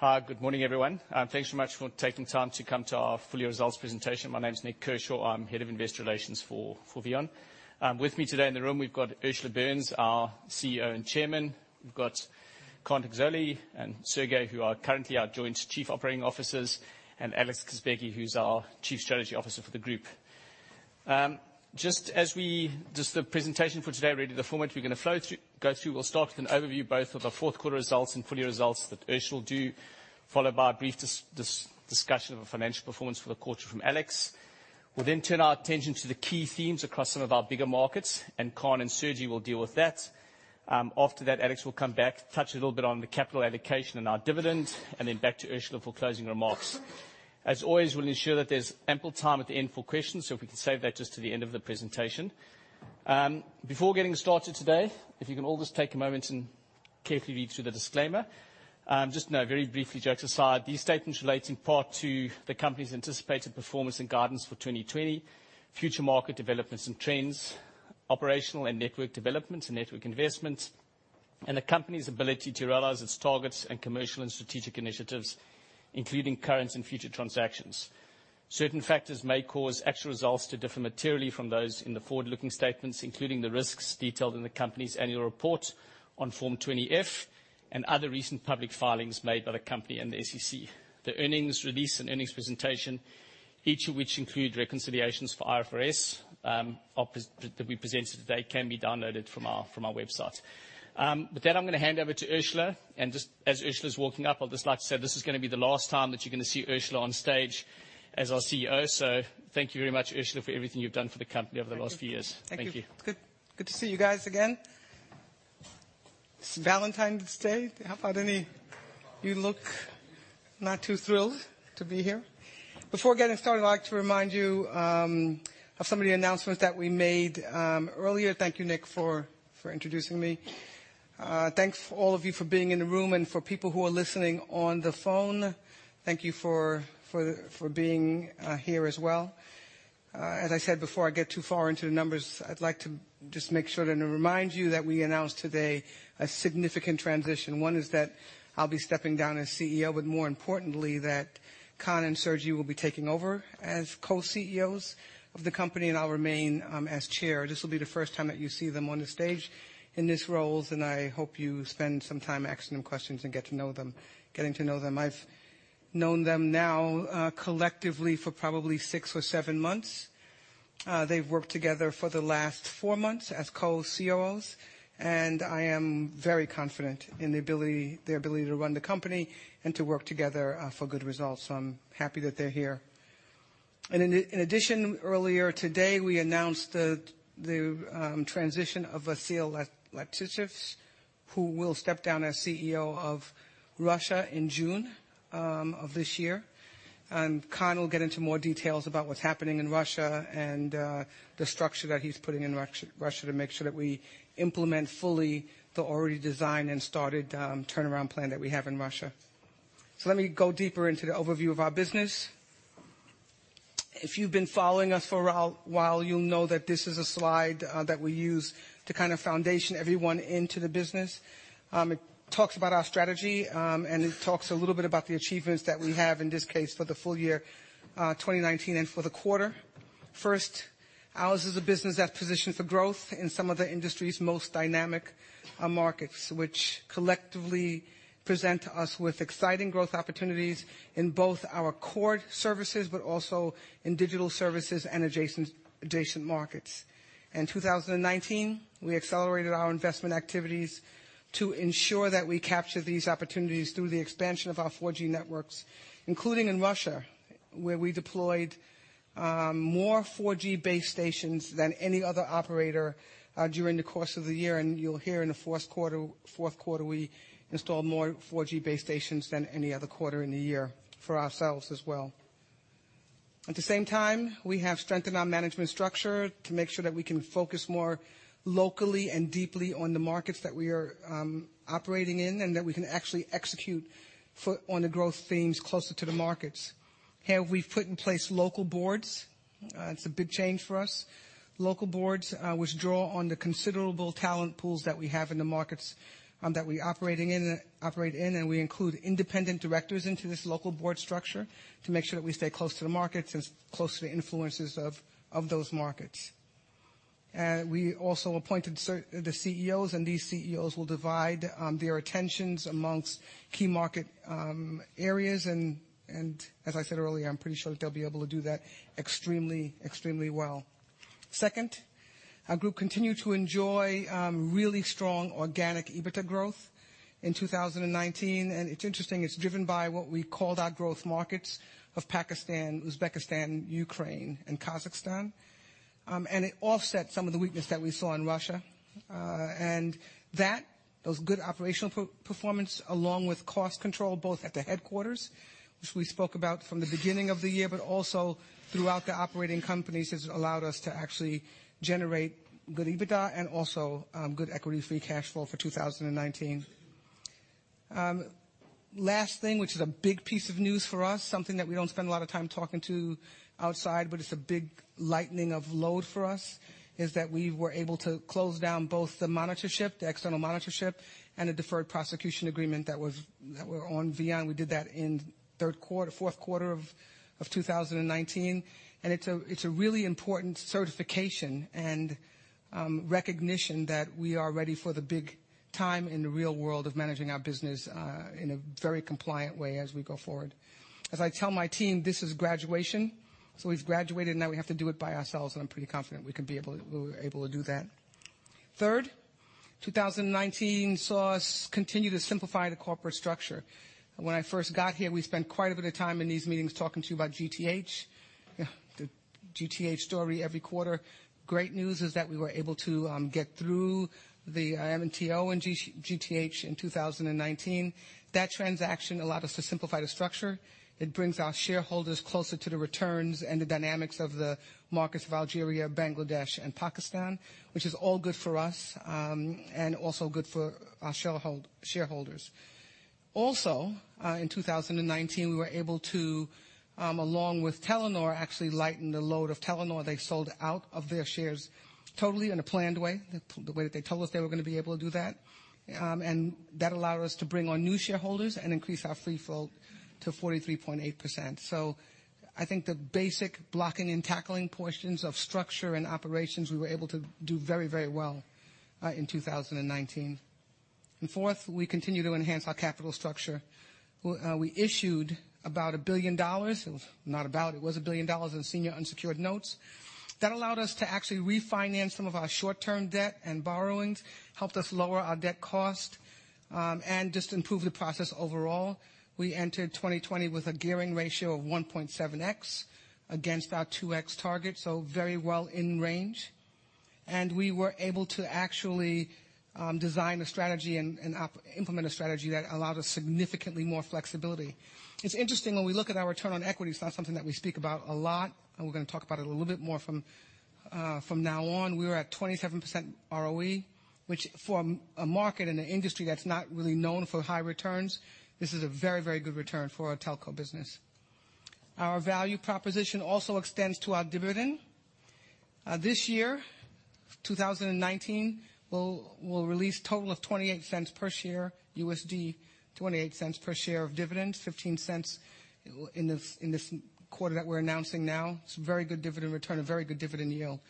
Hi. Good morning, everyone. Thanks so much for taking time to come to our Full Year Results Presentation. My name's Nik Kershaw. I'mHead of Investor Relations for VEON. With me today in the room, we've got Ursula Burns, our CEO and Chairman, we've got Kaan Terzioğlu and Sergi, who are currently our Joint Chief Operating Officers, and Alex Kazbegi, who's our Chief Strategy Officer for the group. The presentation for today, really the format we're going to go through, we'll start with an overview both of our fourth quarter results and full year results that Ursula will do, followed by a brief discussion of our financial performance for the quarter from Alex. We'll turn our attention to the key themes across some of our bigger markets, and Kaan and Sergi will deal with that. After that, Alex will come back, touch a little bit on the capital allocation and our dividend, and then back to Ursula for closing remarks. As always, we'll ensure that there's ample time at the end for questions. If we can save that just to the end of the presentation. Before getting started today, if you can all just take a moment and carefully read through the disclaimer. Just know very briefly, jokes aside, these statements relate in part to the company's anticipated performance and guidance for 2020, future market developments and trends, operational and network developments and network investments, and the company's ability to realize its targets and commercial and strategic initiatives, including current and future transactions. Certain factors may cause actual results to differ materially from those in the forward-looking statements, including the risks detailed in the company's annual report on Form 20-F and other recent public filings made by the company and the SEC. The earnings release and earnings presentation, each of which include reconciliations for IFRS that we presented today, can be downloaded from our website. With that, I'm going to hand over to Ursula, and just as Ursula's walking up, I'd just like to say, this is going to be the last time that you're going to see Ursula on stage as our CEO. Thank you very much, Ursula, for everything you've done for the company over the last few years. Thank you. Thank you. Good to see you guys again. It's Valentine's Day. You look not too thrilled to be here. Before getting started, I'd like to remind you of some of the announcements that we made earlier. Thank you, Nik, for introducing me. Thanks all of you for being in the room, and for people who are listening on the phone, thank you for being here as well. As I said, before I get too far into the numbers, I'd like to just make sure and to remind you that we announced today a significant transition. One is that I'll be stepping down as CEO, but more importantly, that Kaan and Sergi will be taking over as Co-CEOs of the company, and I'll remain as Chair. This will be the first time that you see them on the stage in these roles, and I hope you spend some time asking them questions and getting to know them. I've known them now, collectively, for probably six or seven months. They've worked together for the last four months as co-CEOs, and I am very confident in their ability to run the company and to work together for good results. I'm happy that they're here. In addition, earlier today, we announced the transition of Vasyl Latsanych, who will step down as CEO of Russia in June of this year. Kaan will get into more details about what's happening in Russia and the structure that he's putting in Russia to make sure that we implement fully the already designed and started turnaround plan that we have in Russia. Let me go deeper into the overview of our business. If you've been following us for a while, you'll know that this is a slide that we use to kind of foundation everyone into the business. It talks about our strategy, and it talks a little bit about the achievements that we have, in this case, for the full year 2019 and for the quarter. First, ours is a business that's positioned for growth in some of the industry's most dynamic markets, which collectively present us with exciting growth opportunities in both our core services but also in digital services and adjacent markets. In 2019, we accelerated our investment activities to ensure that we capture these opportunities through the expansion of our 4G networks, including in Russia, where we deployed more 4G base stations than any other operator during the course of the year. You'll hear in the fourth quarter, we installed more 4G base stations than any other quarter in the year for ourselves as well. At the same time, we have strengthened our management structure to make sure that we can focus more locally and deeply on the markets that we are operating in and that we can actually execute foot on the growth themes closer to the markets. Here, we've put in place local boards. It's a big change for us. Local boards, which draw on the considerable talent pools that we have in the markets that we operate in, and we include independent directors into this local board structure to make sure that we stay close to the markets and close to the influences of those markets. We also appointed the CEOs, and these CEOs will divide their attentions amongst key market areas. As I said earlier, I'm pretty sure that they'll be able to do that extremely well. Second, our group continued to enjoy really strong organic EBITDA growth in 2019. It's interesting, it's driven by what we called our growth markets of Pakistan, Uzbekistan, Ukraine, and Kazakhstan. It offset some of the weakness that we saw in Russia. Those good operational performance, along with cost control, both at the headquarters, which we spoke about from the beginning of the year, but also throughout the operating companies, has allowed us to actually generate good EBITDA and also good equity free cash flow for 2019. Last thing, which is a big piece of news for us, something that we don't spend a lot of time talking to outside, but it's a big lightening of load for us, is that we were able to close down both the monitorship, the external monitorship, and the deferred prosecution agreement that were on VEON. We did that in fourth quarter of 2019. It's a really important certification and recognition that we are ready for the big time in the real world of managing our business in a very compliant way as we go forward. As I tell my team, this is graduation, so we've graduated, now we have to do it by ourselves, and I'm pretty confident we'll able to do that. Third, 2019 saw us continue to simplify the corporate structure. When I first got here, we spent quite a bit of time in these meetings talking to you about GTH, the GTH story every quarter. Great news is that we were able to get through the MTO and GTH in 2019. That transaction allowed us to simplify the structure. It brings our shareholders closer to the returns and the dynamics of the markets of Algeria, Bangladesh, and Pakistan, which is all good for us, and also good for our shareholders. Also, in 2019, we were able to, along with Telenor, actually lighten the load of Telenor. They sold out of their shares totally in a planned way, the way that they told us they were going to be able to do that. That allowed us to bring on new shareholders and increase our free float to 43.8%. I think the basic blocking and tackling portions of structure and operations, we were able to do very well in 2019. Fourth, we continue to enhance our capital structure. We issued about $1 billion, not about, it was $1 billion in senior unsecured notes. That allowed us to actually refinance some of our short-term debt and borrowings, helped us lower our debt cost, and just improve the process overall. We entered 2020 with a gearing ratio of 1.7x against our 2x target, so very well in range. We were able to actually design a strategy and implement a strategy that allowed us significantly more flexibility. It's interesting when we look at our return on equity, it's not something that we speak about a lot, and we're going to talk about it a little bit more from now on. We are at 27% ROE, which for a market and an industry that's not really known for high returns, this is a very good return for a telco business. Our value proposition also extends to our dividend. This year, 2019, we'll release total of $0.28 per share, $0.28 per share of dividends, $0.15 in this quarter that we're announcing now. It's a very good dividend return, a very good dividend yield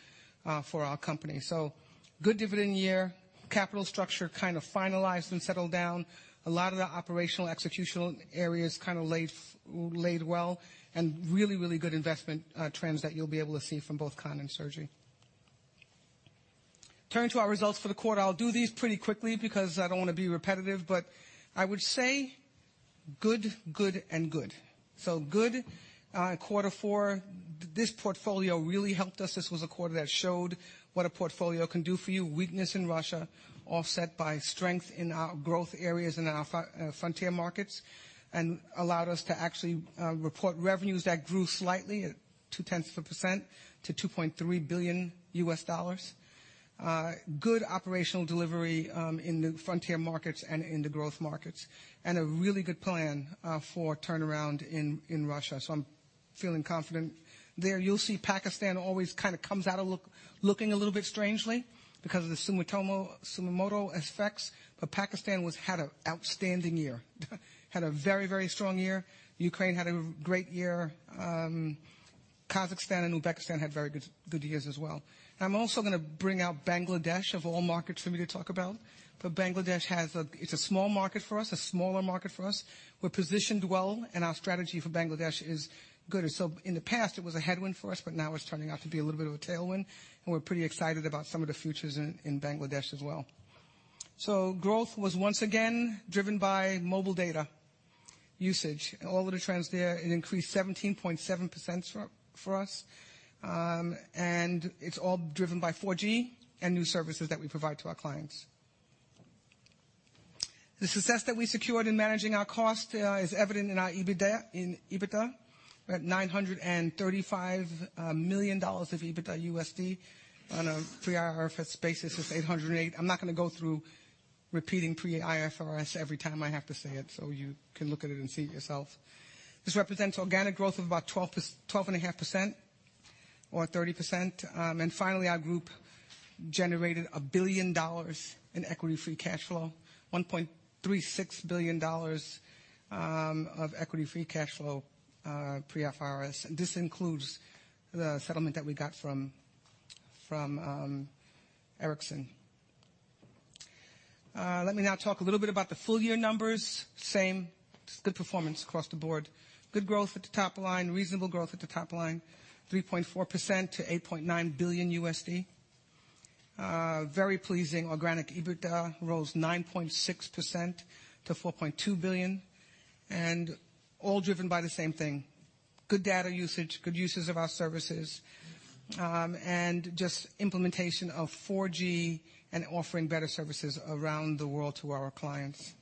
for our company. Good dividend year. Capital structure kind of finalized and settled down. A lot of the operational executional areas kind of laid well, and really good investment trends that you'll be able to see from both Kaan and Sergi. Turning to our results for the quarter, I'll do these pretty quickly because I don't want to be repetitive, I would say good, and good. Good quarter four. This portfolio really helped us. This was a quarter that showed what a portfolio can do for you. Weakness in Russia, offset by strength in our growth areas in our frontier markets, allowed us to actually report revenues that grew slightly at 0.2% to $2.3 billion. Good operational delivery in the frontier markets and in the growth markets, a really good plan for turnaround in Russia. I'm feeling confident there. You'll see Pakistan always kind of comes out looking a little bit strangely because of the Sumitomo effects, Pakistan had a outstanding year. Had a very strong year. Ukraine had a great year. Kazakhstan and Uzbekistan had very good years as well. I'm also going to bring out Bangladesh, of all markets for me to talk about, but Bangladesh, it's a small market for us, a smaller market for us. We're positioned well, and our strategy for Bangladesh is good. In the past, it was a headwind for us, but now it's turning out to be a little bit of a tailwind, and we're pretty excited about some of the futures in Bangladesh as well. Growth was once again driven by mobile data usage. All of the trends there, it increased 17.7% for us, and it's all driven by 4G and new services that we provide to our clients. The success that we secured in managing our cost is evident in our EBITDA. We're at $935 million of EBITDA USD on a pre-IFRS basis, it's $808. I'm not going to go through repeating pre-IFRS every time I have to say it, so you can look at it and see it yourself. This represents organic growth of about 12.5% or 30%. Finally, our group generated $1 billion in equity free cash flow, $1.36 billion of equity free cash flow, pre-IFRS. This includes the settlement that we got from Ericsson. Let me now talk a little bit about the full year numbers. Same, just good performance across the board. Good growth at the top line, reasonable growth at the top line, 3.4% to $8.9 billion. Very pleasing organic EBITDA, rose 9.6% to $4.2 billion. All driven by the same thing. Just good data usage, good uses of our services, and implementation of 4G and offering better services around the world to our clients.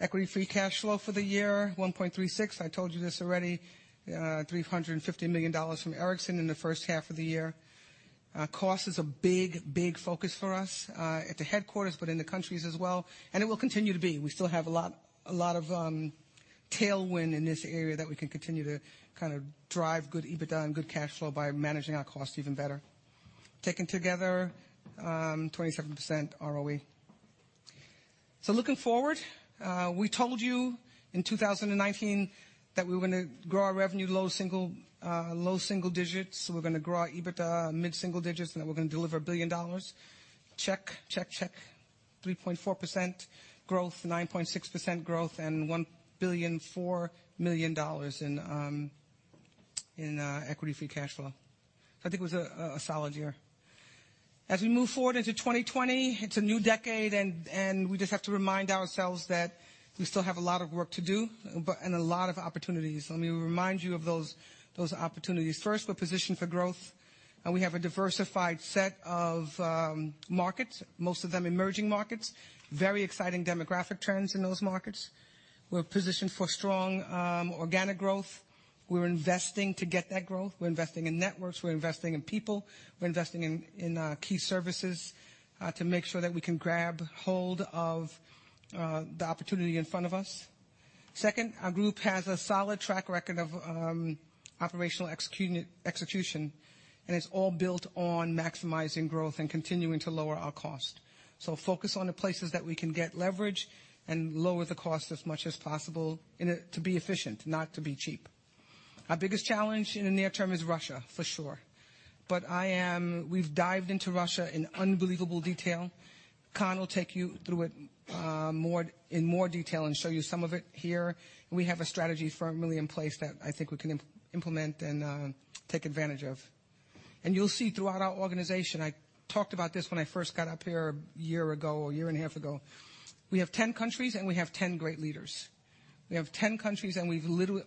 Equity free cash flow for the year, $1.36. I told you this already, $350 million from Ericsson in the first half of the year. Cost is a big focus for us, at the headquarters, but in the countries as well, and it will continue to be. We still have a lot of tailwind in this area that we can continue to drive good EBITDA and good cash flow by managing our cost even better. Taken together, 27% ROE. Looking forward, we told you in 2019 that we were going to grow our revenue low single digits, we're going to grow our EBITDA mid single digits, and that we're going to deliver $1 billion. Check. 3.4% growth, 9.6% growth, and $1.004 billion in equity free cash flow. I think it was a solid year. As we move forward into 2020, it's a new decade, and we just have to remind ourselves that we still have a lot of work to do and a lot of opportunities. Let me remind you of those opportunities. First, we're positioned for growth, and we have a diversified set of markets, most of them emerging markets. Very exciting demographic trends in those markets. We're positioned for strong organic growth. We're investing to get that growth. We're investing in networks. We're investing in people. We're investing in key services to make sure that we can grab hold of the opportunity in front of us. Second, our group has a solid track record of operational execution, and it's all built on maximizing growth and continuing to lower our cost. Focus on the places that we can get leverage and lower the cost as much as possible, to be efficient, not to be cheap. Our biggest challenge in the near term is Russia, for sure. We've dived into Russia in unbelievable detail. Kaan will take you through it in more detail and show you some of it here. We have a strategy firmly in place that I think we can implement and take advantage of. You'll see throughout our organization, I talked about this when I first got up here a year ago, or a year and a half ago. We have 10 countries, and we have 10 great leaders. We have 10 countries, and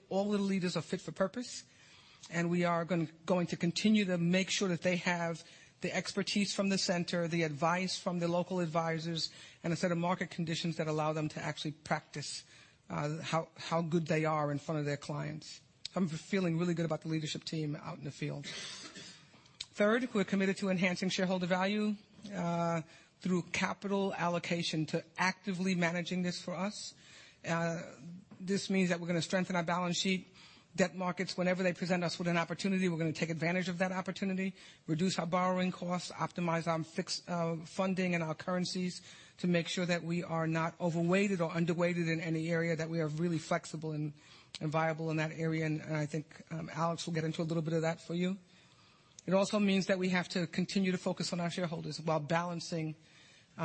all the leaders are fit for purpose, and we are going to continue to make sure that they have the expertise from the center, the advice from the local advisors, and a set of market conditions that allow them to actually practice how good they are in front of their clients. I'm feeling really good about the leadership team out in the field. Third, we're committed to enhancing shareholder value through capital allocation, to actively managing this for us. This means that we're going to strengthen our balance sheet. Debt markets, whenever they present us with an opportunity, we're going to take advantage of that opportunity, reduce our borrowing costs, optimize our fixed funding and our currencies to make sure that we are not overweighted or underweighted in any area, that we are really flexible and viable in that area, and I think Alex will get into a little bit of that for you. It also means that we have to continue to focus on our shareholders while balancing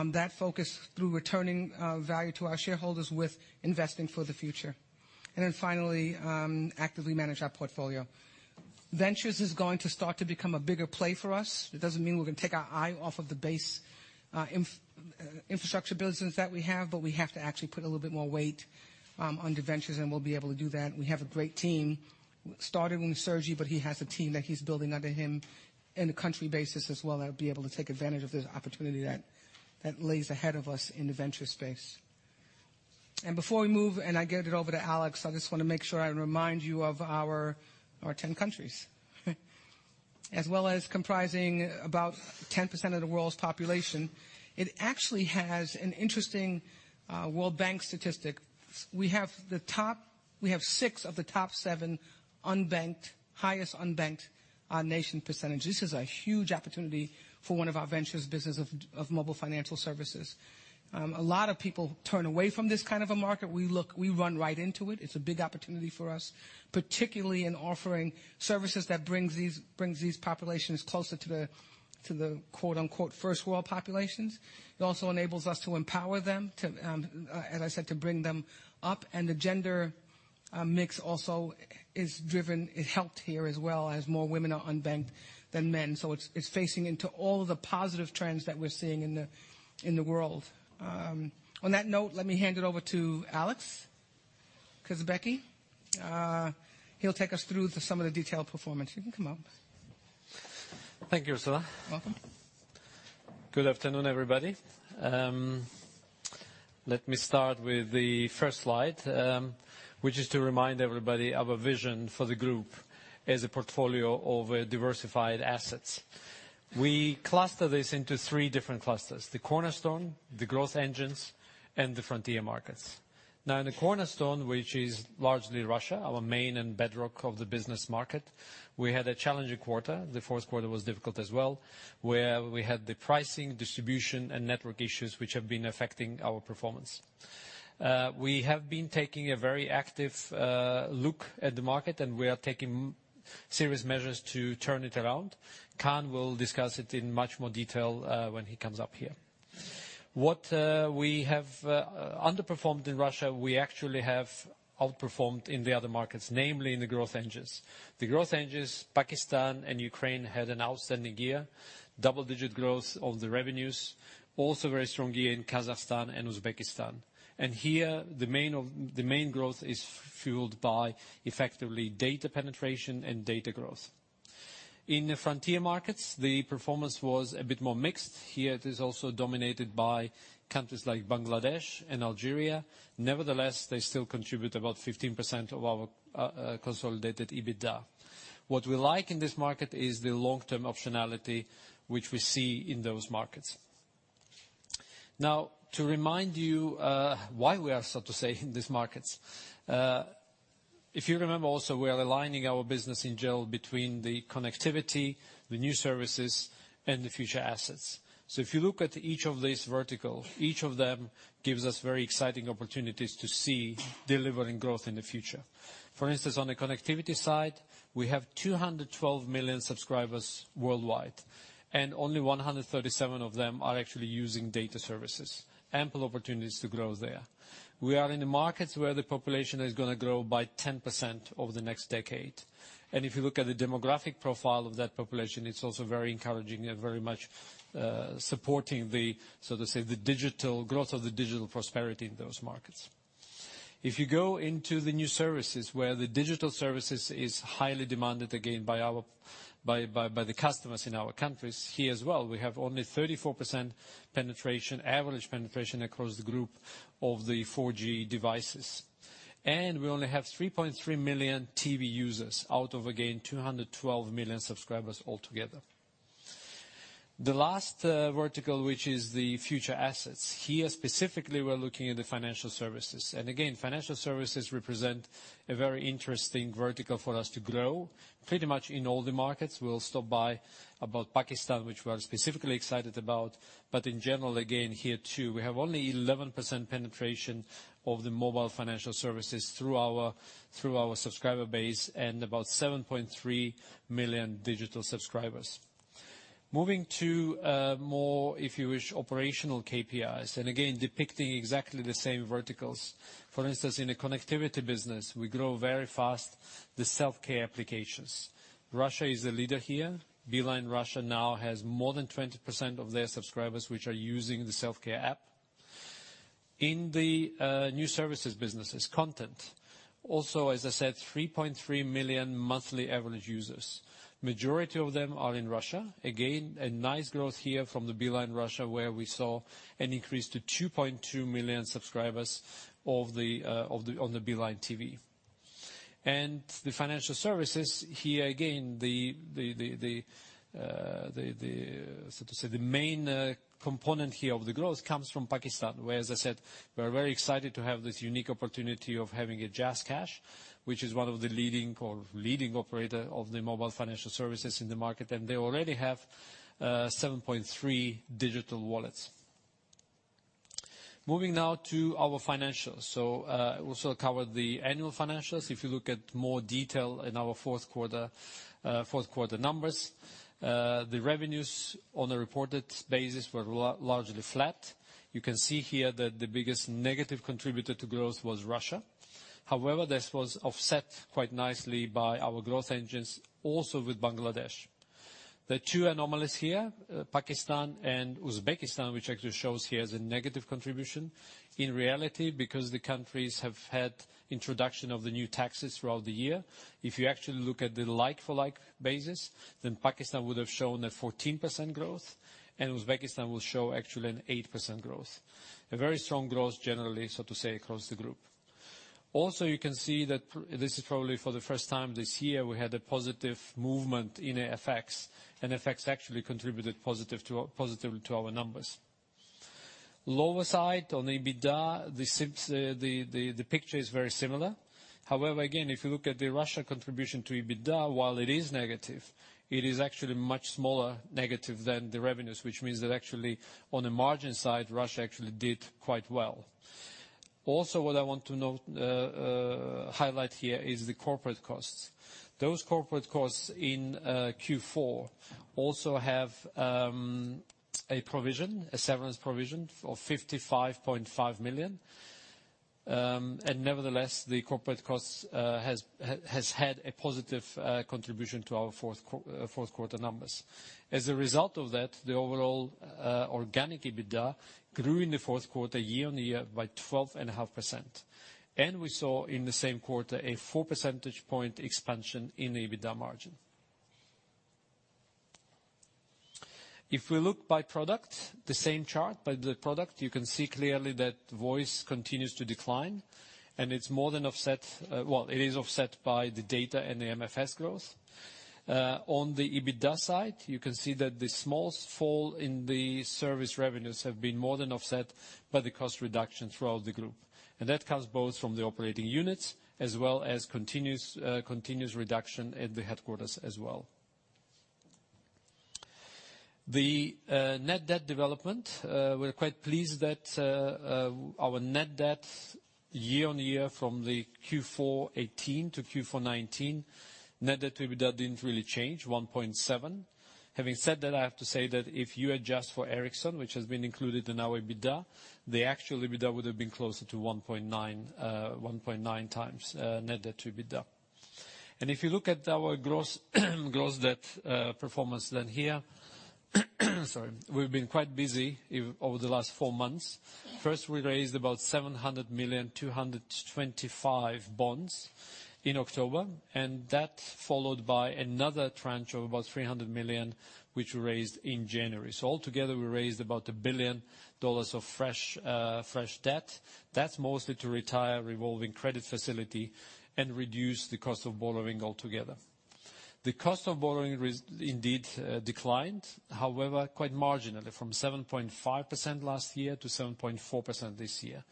that focus through returning value to our shareholders with investing for the future. Finally, actively manage our portfolio. Ventures is going to start to become a bigger play for us. It doesn't mean we're going to take our eye off of the base infrastructure business that we have, but we have to actually put a little bit more weight onto ventures, and we'll be able to do that. We have a great team, starting with Sergi, but he has a team that he's building under him in a country basis as well, that'll be able to take advantage of this opportunity that lays ahead of us in the venture space. Before we move, and I give it over to Alex, I just want to make sure I remind you of our 10 countries. As well as comprising about 10% of the world's population, it actually has an interesting World Bank statistic. We have six of the top seven highest unbanked nation percentage. This is a huge opportunity for one of our ventures business of mobile financial services. A lot of people turn away from this kind of a market. We run right into it. It's a big opportunity for us, particularly in offering services that brings these populations closer to the quote unquote, "first world populations." It also enables us to empower them, as I said, to bring them up, and the gender mix also is helped here as well, as more women are unbanked than men. It's facing into all the positive trends that we're seeing in the world. On that note, let me hand it over to Alex Kazbegi. He'll take us through some of the detailed performance. You can come up. Thank you, Ursula. Welcome. Good afternoon, everybody. Let me start with the first slide, which is to remind everybody of a vision for the group as a portfolio of diversified assets. We cluster this into three different clusters, the cornerstone, the growth engines, and the frontier markets. In the cornerstone, which is largely Russia, our main and bedrock of the business market, we had a challenging quarter. The fourth quarter was difficult as well, where we had the pricing, distribution, and network issues, which have been affecting our performance. We have been taking a very active look at the market, we are taking serious measures to turn it around. Kaan will discuss it in much more detail when he comes up here. What we have underperformed in Russia, we actually have outperformed in the other markets, namely in the growth engines. The growth engines, Pakistan and Ukraine, had an outstanding year. Double-digit growth of the revenues. Very strong year in Kazakhstan and Uzbekistan. Here, the main growth is fueled by effectively data penetration and data growth. In the frontier markets, the performance was a bit more mixed. Here it is also dominated by countries like Bangladesh and Algeria. Nevertheless, they still contribute about 15% of our consolidated EBITDA. What we like in this market is the long-term optionality, which we see in those markets. To remind you why we are, so to say, in these markets. If you remember also, we are aligning our business in general between the connectivity, the new services, and the future assets. If you look at each of these vertical, each of them gives us very exciting opportunities to see delivering growth in the future. For instance, on the connectivity side, we have 212 million subscribers worldwide, and only 137 of them are actually using data services. Ample opportunities to grow there. We are in the markets where the population is going to grow by 10% over the next decade. If you look at the demographic profile of that population, it's also very encouraging and very much supporting the, so to say, the growth of the digital prosperity in those markets. If you go into the new services, where the digital services is highly demanded, again, by the customers in our countries, here as well, we have only 34% average penetration across the group of the 4G devices. We only have 3.3 million TV users out of, again, 212 million subscribers altogether. The last vertical, which is the future assets. Here, specifically, we're looking at the financial services. Again, financial services represent a very interesting vertical for us to grow. Pretty much in all the markets, we'll stop by about Pakistan, which we are specifically excited about. In general, again, here too, we have only 11% penetration of the mobile financial services through our subscriber base and about 7.3 million digital subscribers. Moving to more, if you wish, operational KPIs, and again, depicting exactly the same verticals. For instance, in the connectivity business, we grow very fast the self-care applications. Russia is the leader here. Beeline Russia now has more than 20% of their subscribers, which are using the self-care app. In the new services businesses content, also, as I said, 3.3 million monthly average users. Majority of them are in Russia. Again, a nice growth here from the Beeline Russia, where we saw an increase to 2.2 million subscribers on the Beeline TV. The financial services here, again, the main component here of the growth comes from Pakistan, where, as I said, we're very excited to have this unique opportunity of having a JazzCash, which is one of the leading operator of the mobile financial services in the market, and they already have 7.3 digital wallets. Moving now to our financials. Also cover the annual financials. If you look at more detail in our fourth quarter numbers, the revenues on a reported basis were largely flat. You can see here that the biggest negative contributor to growth was Russia. This was offset quite nicely by our growth engines, also with Bangladesh. The two anomalies here, Pakistan and Uzbekistan, which actually shows here as a negative contribution. In reality, because the countries have had introduction of the new taxes throughout the year, if you actually look at the like for like basis, then Pakistan would have shown a 14% growth, and Uzbekistan will show actually an 8% growth. A very strong growth generally, so to say, across the group. You can see that this is probably for the first time this year, we had a positive movement in FX, and FX actually contributed positive to our numbers. Lower side on EBITDA, the picture is very similar. Again, if you look at the Russia contribution to EBITDA, while it is negative, it is actually much smaller negative than the revenues, which means that actually on the margin side, Russia actually did quite well. What I want to highlight here is the corporate costs. Those corporate costs in Q4 also have a severance provision of $55.5 million. Nevertheless, the corporate costs has had a positive contribution to our fourth quarter numbers. As a result of that, the overall organic EBITDA grew in the fourth quarter year-on-year by 12.5%. We saw in the same quarter a four percentage point expansion in EBITDA margin. If we look by product, the same chart by the product, you can see clearly that voice continues to decline, and it is offset by the data and the MFS growth. On the EBITDA side, you can see that the small fall in the service revenues have been more than offset by the cost reduction throughout the group. That comes both from the operating units as well as continuous reduction at the headquarters as well. The net debt development, we're quite pleased that our net debt year-on-year from the Q4 2018 to Q4 2019, net debt to EBITDA didn't really change, 1.7x. Having said that, I have to say that if you adjust for Ericsson, which has been included in our EBITDA, the actual EBITDA would have been closer to 1.9x net debt to EBITDA. If you look at our gross debt performance then here. We've been quite busy over the last four months. First, we raised about $700 million, 225 bonds in October, and that followed by another tranche of about $300 million, which we raised in January. Altogether, we raised about $1 billion of fresh debt. That's mostly to retire revolving credit facility and reduce the cost of borrowing altogether. The cost of borrowing indeed declined, however, quite marginally from 7.5% last year to 7.4% this year.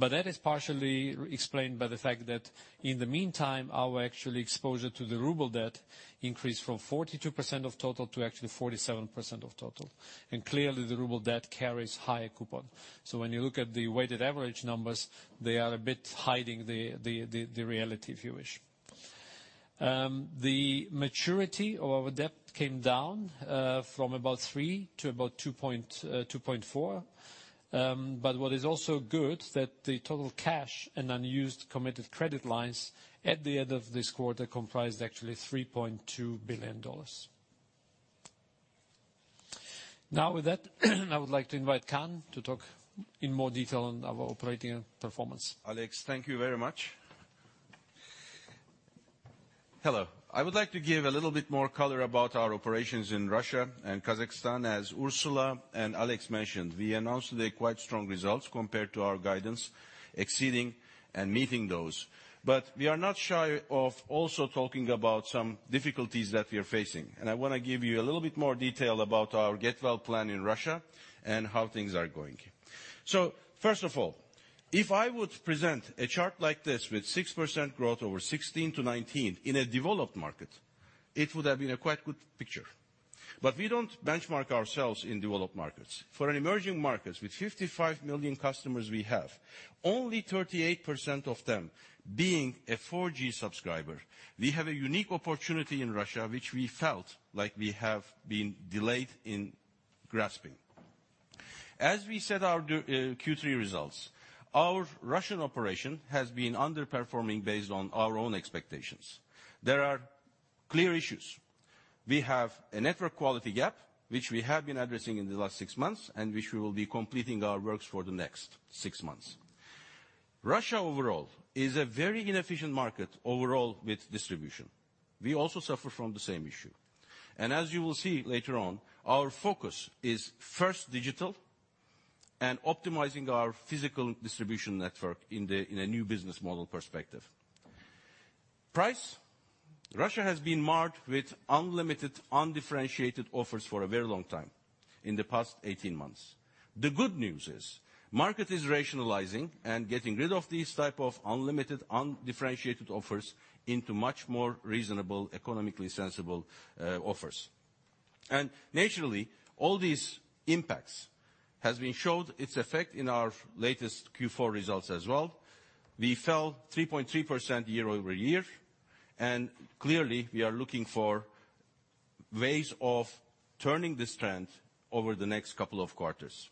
That is partially explained by the fact that in the meantime, our actual exposure to the ruble debt increased from 42% of total to actually 47% of total. Clearly, the ruble debt carries higher coupon. When you look at the weighted average numbers, they are a bit hiding the reality, if you wish. The maturity of our debt came down from about three to about 2.4. What is also good that the total cash and unused committed credit lines at the end of this quarter comprised actually $3.2 billion. Now, with that, I would like to invite Kaan to talk in more detail on our operating performance. Alex, thank you very much. Hello. I would like to give a little bit more color about our operations in Russia and Kazakhstan, as Ursula and Alex mentioned. We announced today quite strong results compared to our guidance, exceeding and meeting those. We are not shy of also talking about some difficulties that we are facing. I want to give you a little bit more detail about our get well plan in Russia and how things are going. First of all, if I would present a chart like this with 6% growth over 2016 to 2019 in a developed market, it would have been a quite good picture. We don't benchmark ourselves in developed markets. For an emerging markets with 55 million customers we have, only 38% of them being a 4G subscriber. We have a unique opportunity in Russia, which we felt like we have been delayed in grasping. As we said our Q3 results, our Russian operation has been underperforming based on our own expectations. There are clear issues. We have a network quality gap, which we have been addressing in the last six months, and which we will be completing our works for the next six months. Russia overall is a very inefficient market overall with distribution. We also suffer from the same issue. As you will see later on, our focus is first digital and optimizing our physical distribution network in a new business model perspective. Price, Russia has been marked with unlimited, undifferentiated offers for a very long time, in the past 18 months. The good news is, market is rationalizing and getting rid of these type of unlimited, undifferentiated offers into much more reasonable, economically sensible offers. Naturally, all these impacts has been showed its effect in our latest Q4 results as well. We fell 3.3% year-over-year, and clearly we are looking for ways of turning this trend over the next couple of quarters.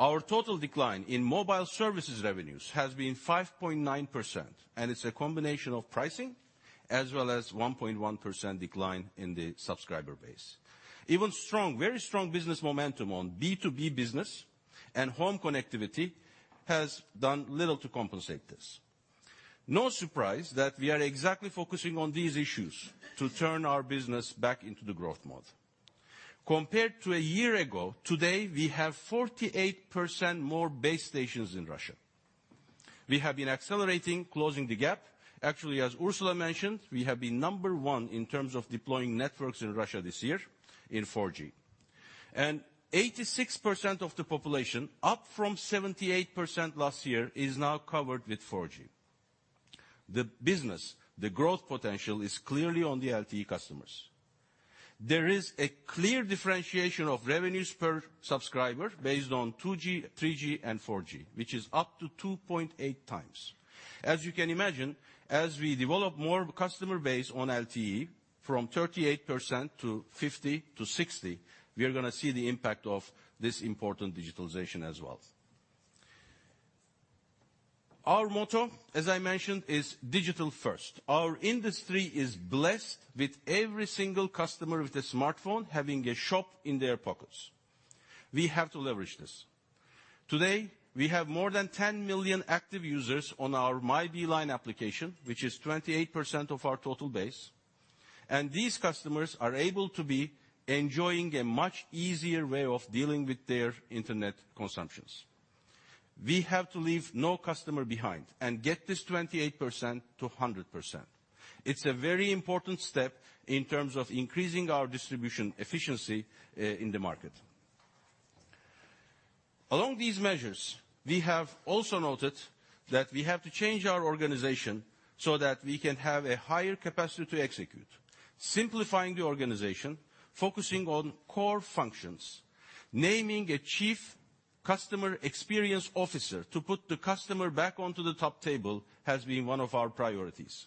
Our total decline in mobile services revenues has been 5.9%, and it's a combination of pricing as well as 1.1% decline in the subscriber base. Even strong, very strong business momentum on B2B business and home connectivity has done little to compensate this. No surprise that we are exactly focusing on these issues to turn our business back into the growth mode. Compared to a year ago, today we have 48% more base stations in Russia. We have been accelerating closing the gap. Actually, as Ursula mentioned, we have been number one in terms of deploying networks in Russia this year in 4G. 86% of the population, up from 78% last year, is now covered with 4G. The business, the growth potential is clearly on the LTE customers. There is a clear differentiation of revenues per subscriber based on 2G, 3G and 4G, which is up to 2.8x. As you can imagine, as we develop more customer base on LTE from 38% to 50% to 60%, we are going to see the impact of this important digitalization as well. Our motto, as I mentioned, is digital first. Our industry is blessed with every single customer with a smartphone having a shop in their pockets. We have to leverage this. Today, we have more than 10 million active users on our MyBeeline application, which is 28% of our total base. These customers are able to be enjoying a much easier way of dealing with their internet consumptions. We have to leave no customer behind and get this 28% to 100%. It's a very important step in terms of increasing our distribution efficiency in the market. Along these measures, we have also noted that we have to change our organization so that we can have a higher capacity to execute. Simplifying the organization, focusing on core functions, naming a Chief Customer Experience Officer to put the customer back onto the top table has been one of our priorities.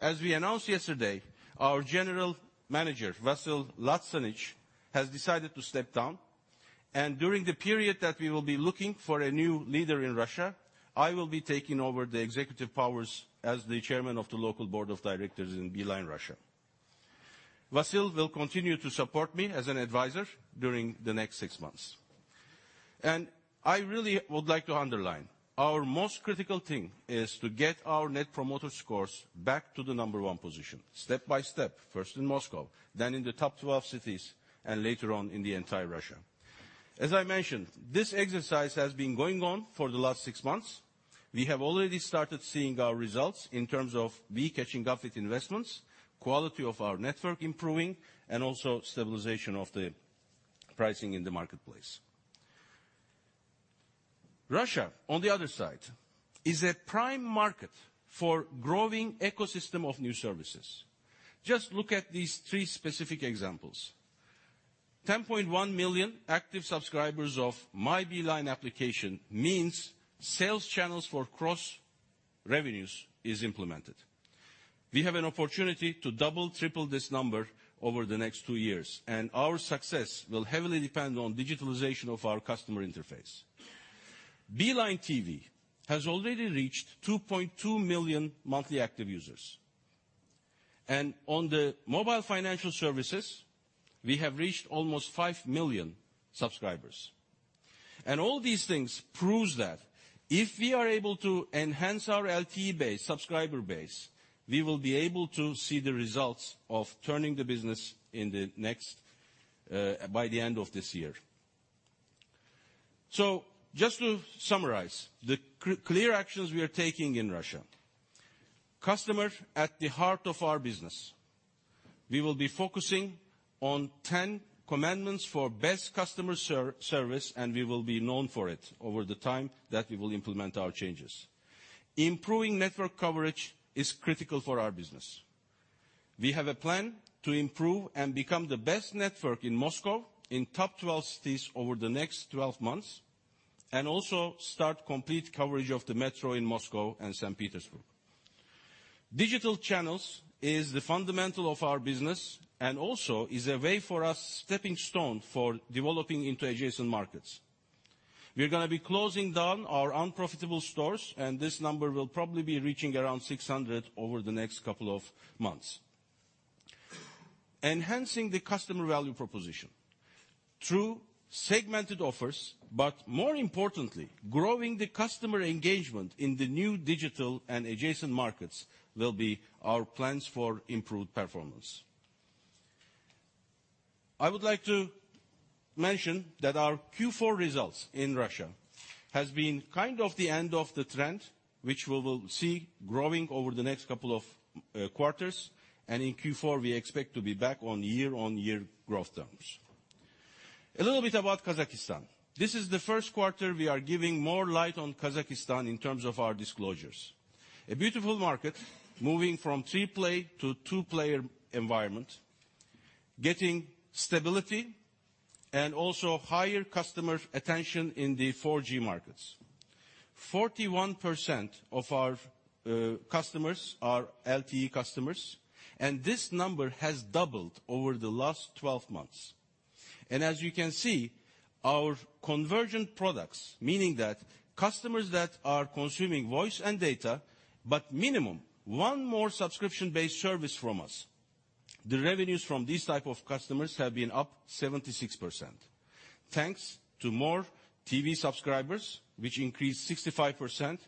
As we announced yesterday, our general manager, Vasyl Latsanych, has decided to step down. During the period that we will be looking for a new leader in Russia, I will be taking over the executive powers as the Chairman of the local board of directors in Beeline Russia. Vasyl will continue to support me as an advisor during the next six months. I really would like to underline, our most critical thing is to get our Net Promoter Scores back to the number 1 position, step by step, first in Moscow, then in the top 12 cities, and later on in the entire Russia. As I mentioned, this exercise has been going on for the last six months. We have already started seeing our results in terms of we catching up with investments, quality of our network improving, and also stabilization of the pricing in the marketplace. Russia, on the other side, is a prime market for growing ecosystem of new services. Just look at these three specific examples. 10.1 million active subscribers of MyBeeline application means sales channels for cross revenues is implemented. We have an opportunity to double, triple this number over the next two years, and our success will heavily depend on digitalization of our customer interface. Beeline TV has already reached 2.2 million monthly active users. On the mobile financial services, we have reached almost 5 million subscribers. All these things proves that if we are able to enhance our LTE base, subscriber base, we will be able to see the results of turning the business by the end of this year. Just to summarize the clear actions we are taking in Russia. Customer at the heart of our business. We will be focusing on 10 commandments for best customer service, and we will be known for it over the time that we will implement our changes. Improving network coverage is critical for our business. We have a plan to improve and become the best network in Moscow, in top 12 cities over the next 12 months, and also start complete coverage of the metro in Moscow and St. Petersburg. Digital channels is the fundamental of our business and also is a way for us, stepping stone for developing into adjacent markets. We're going to be closing down our unprofitable stores, and this number will probably be reaching around 600 over the next couple of months. Enhancing the customer value proposition through segmented offers, but more importantly, growing the customer engagement in the new digital and adjacent markets will be our plans for improved performance. I would like to mention that our Q4 results in Russia has been kind of the end of the trend, which we will see growing over the next couple of quarters. In Q4, we expect to be back on year-on-year growth terms. A little bit about Kazakhstan. This is the first quarter we are giving more light on Kazakhstan in terms of our disclosures. A beautiful market, moving from three player to two player environment, getting stability and also higher customer attention in the 4G markets. 41% of our customers are LTE customers, and this number has doubled over the last 12 months. As you can see, our convergent products, meaning that customers that are consuming voice and data, but minimum 1 more subscription-based service from us, the revenues from these type of customers have been up 76%, thanks to more TV subscribers, which increased 65%,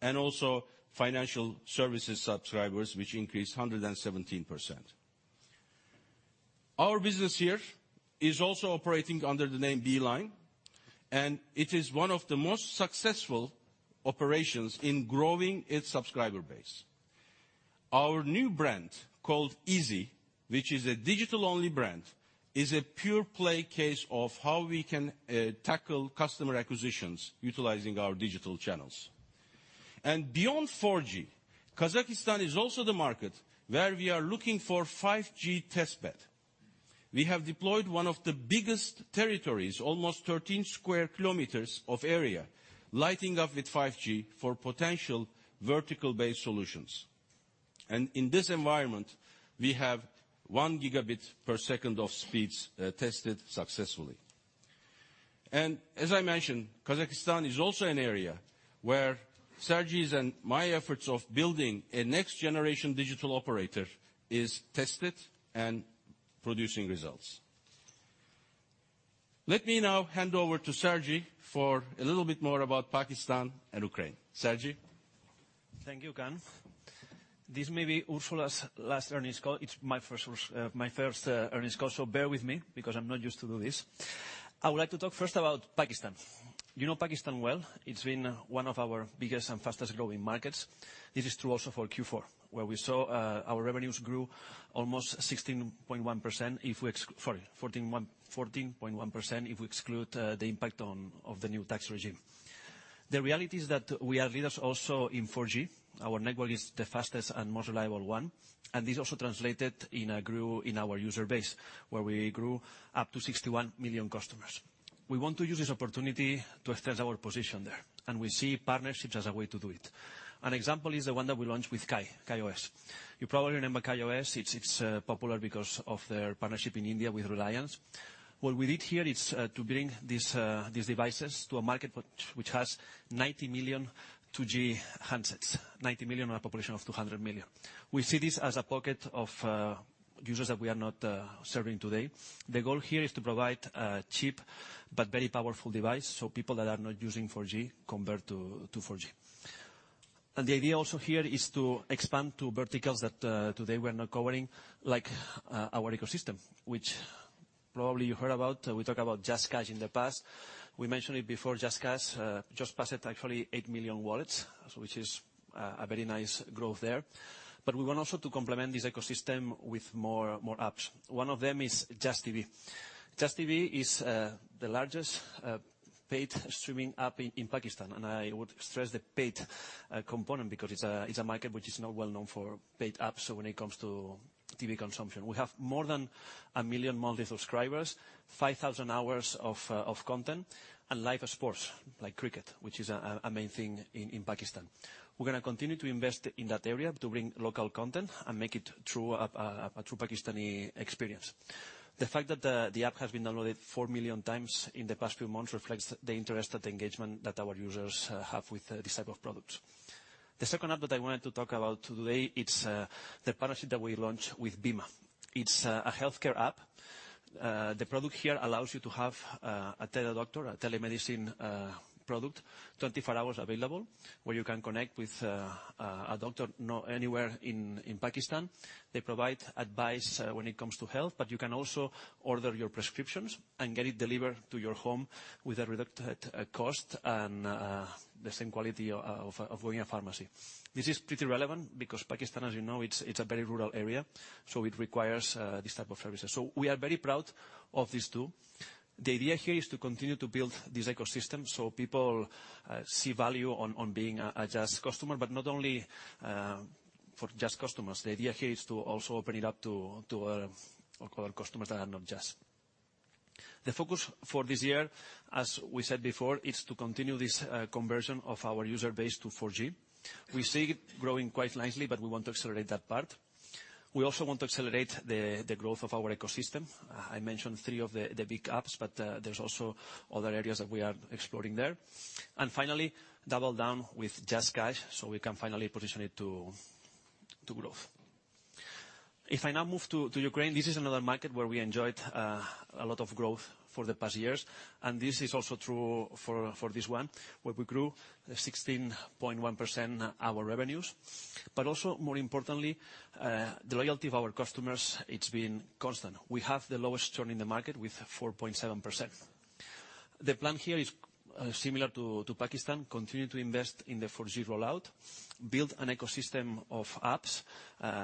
and also financial services subscribers, which increased 117%. Our business here is also operating under the name Beeline, and it is one of the most successful operations in growing its subscriber base. Our new brand called Easy, which is a digital-only brand, is a pure play case of how we can tackle customer acquisitions utilizing our digital channels. Beyond 4G, Kazakhstan is also the market where we are looking for 5G test bed. We have deployed one of the biggest territories, almost 13 sq km of area, lighting up with 5G for potential vertical-based solutions. In this environment, we have one gigabit per second of speeds tested successfully. As I mentioned, Kazakhstan is also an area where Sergi's and my efforts of building a next generation digital operator is tested and producing results. Let me now hand over to Sergi for a little bit more about Pakistan and Ukraine. Sergi? Thank you, Kaan. This may be Ursula's last earnings call. It's my first earnings call, so bear with me because I'm not used to do this. I would like to talk first about Pakistan. You know Pakistan well. It's been one of our biggest and fastest-growing markets. This is true also for Q4, where we saw our revenues grew almost 16.1%, sorry, 14.1% if we exclude the impact of the new tax regime. The reality is that we are leaders also in 4G. Our network is the fastest and most reliable one, and this also translated in our user base, where we grew up to 61 million customers. We want to use this opportunity to extend our position there, and we see partnerships as a way to do it. An example is the one that we launched with KaiOS. You probably remember KaiOS. It's popular because of their partnership in India with Reliance. What we did here is to bring these devices to a market which has 90 million 2G handsets, 90 million on a population of 200 million. We see this as a pocket of users that we are not serving today. The goal here is to provide a cheap but very powerful device so people that are not using 4G convert to 4G. The idea also here is to expand to verticals that today we're not covering, like our ecosystem, which probably you heard about. We talk about JazzCash in the past. We mentioned it before, JazzCash just passed actually 8 million wallets, which is a very nice growth there. We want also to complement this ecosystem with more apps. One of them is ZaITV. ZaITV is the largest paid streaming app in Pakistan, and I would stress the paid component because it's a market which is not well-known for paid apps when it comes to TV consumption. We have more than 1 million monthly subscribers, 5,000 hours of content and live sports, like cricket, which is a main thing in Pakistan. We're going to continue to invest in that area to bring local content and make it a true Pakistani experience. The fact that the app has been downloaded 4 million times in the past few months reflects the interest and engagement that our users have with this type of product. The second app that I wanted to talk about today, it's the partnership that we launched with BIMA. It's a healthcare app. The product here allows you to have a tele-doctor, a telemedicine product, 24 hours available, where you can connect with a doctor anywhere in Pakistan. You can also order your prescriptions and get it delivered to your home with a reduced cost and the same quality of going a pharmacy. This is pretty relevant because Pakistan, as you know, it's a very rural area. It requires this type of services. We are very proud of these two. The idea here is to continue to build this ecosystem. People see value on being a Jazz customer. Not only for Jazz customers, the idea here is to also open it up to our customers that are not Jazz. The focus for this year, as we said before, is to continue this conversion of our user base to 4G. We see it growing quite nicely, but we want to accelerate that part. We also want to accelerate the growth of our ecosystem. I mentioned three of the big apps, but there's also other areas that we are exploring there. Finally, double down with JazzCash so we can finally position it to growth. If I now move to Ukraine, this is another market where we enjoyed a lot of growth for the past years, and this is also true for this one, where we grew 16.1% our revenues. Also more importantly, the loyalty of our customers, it's been constant. We have the lowest churn in the market with 4.7%. The plan here is similar to Pakistan, continue to invest in the 4G rollout, build an ecosystem of apps,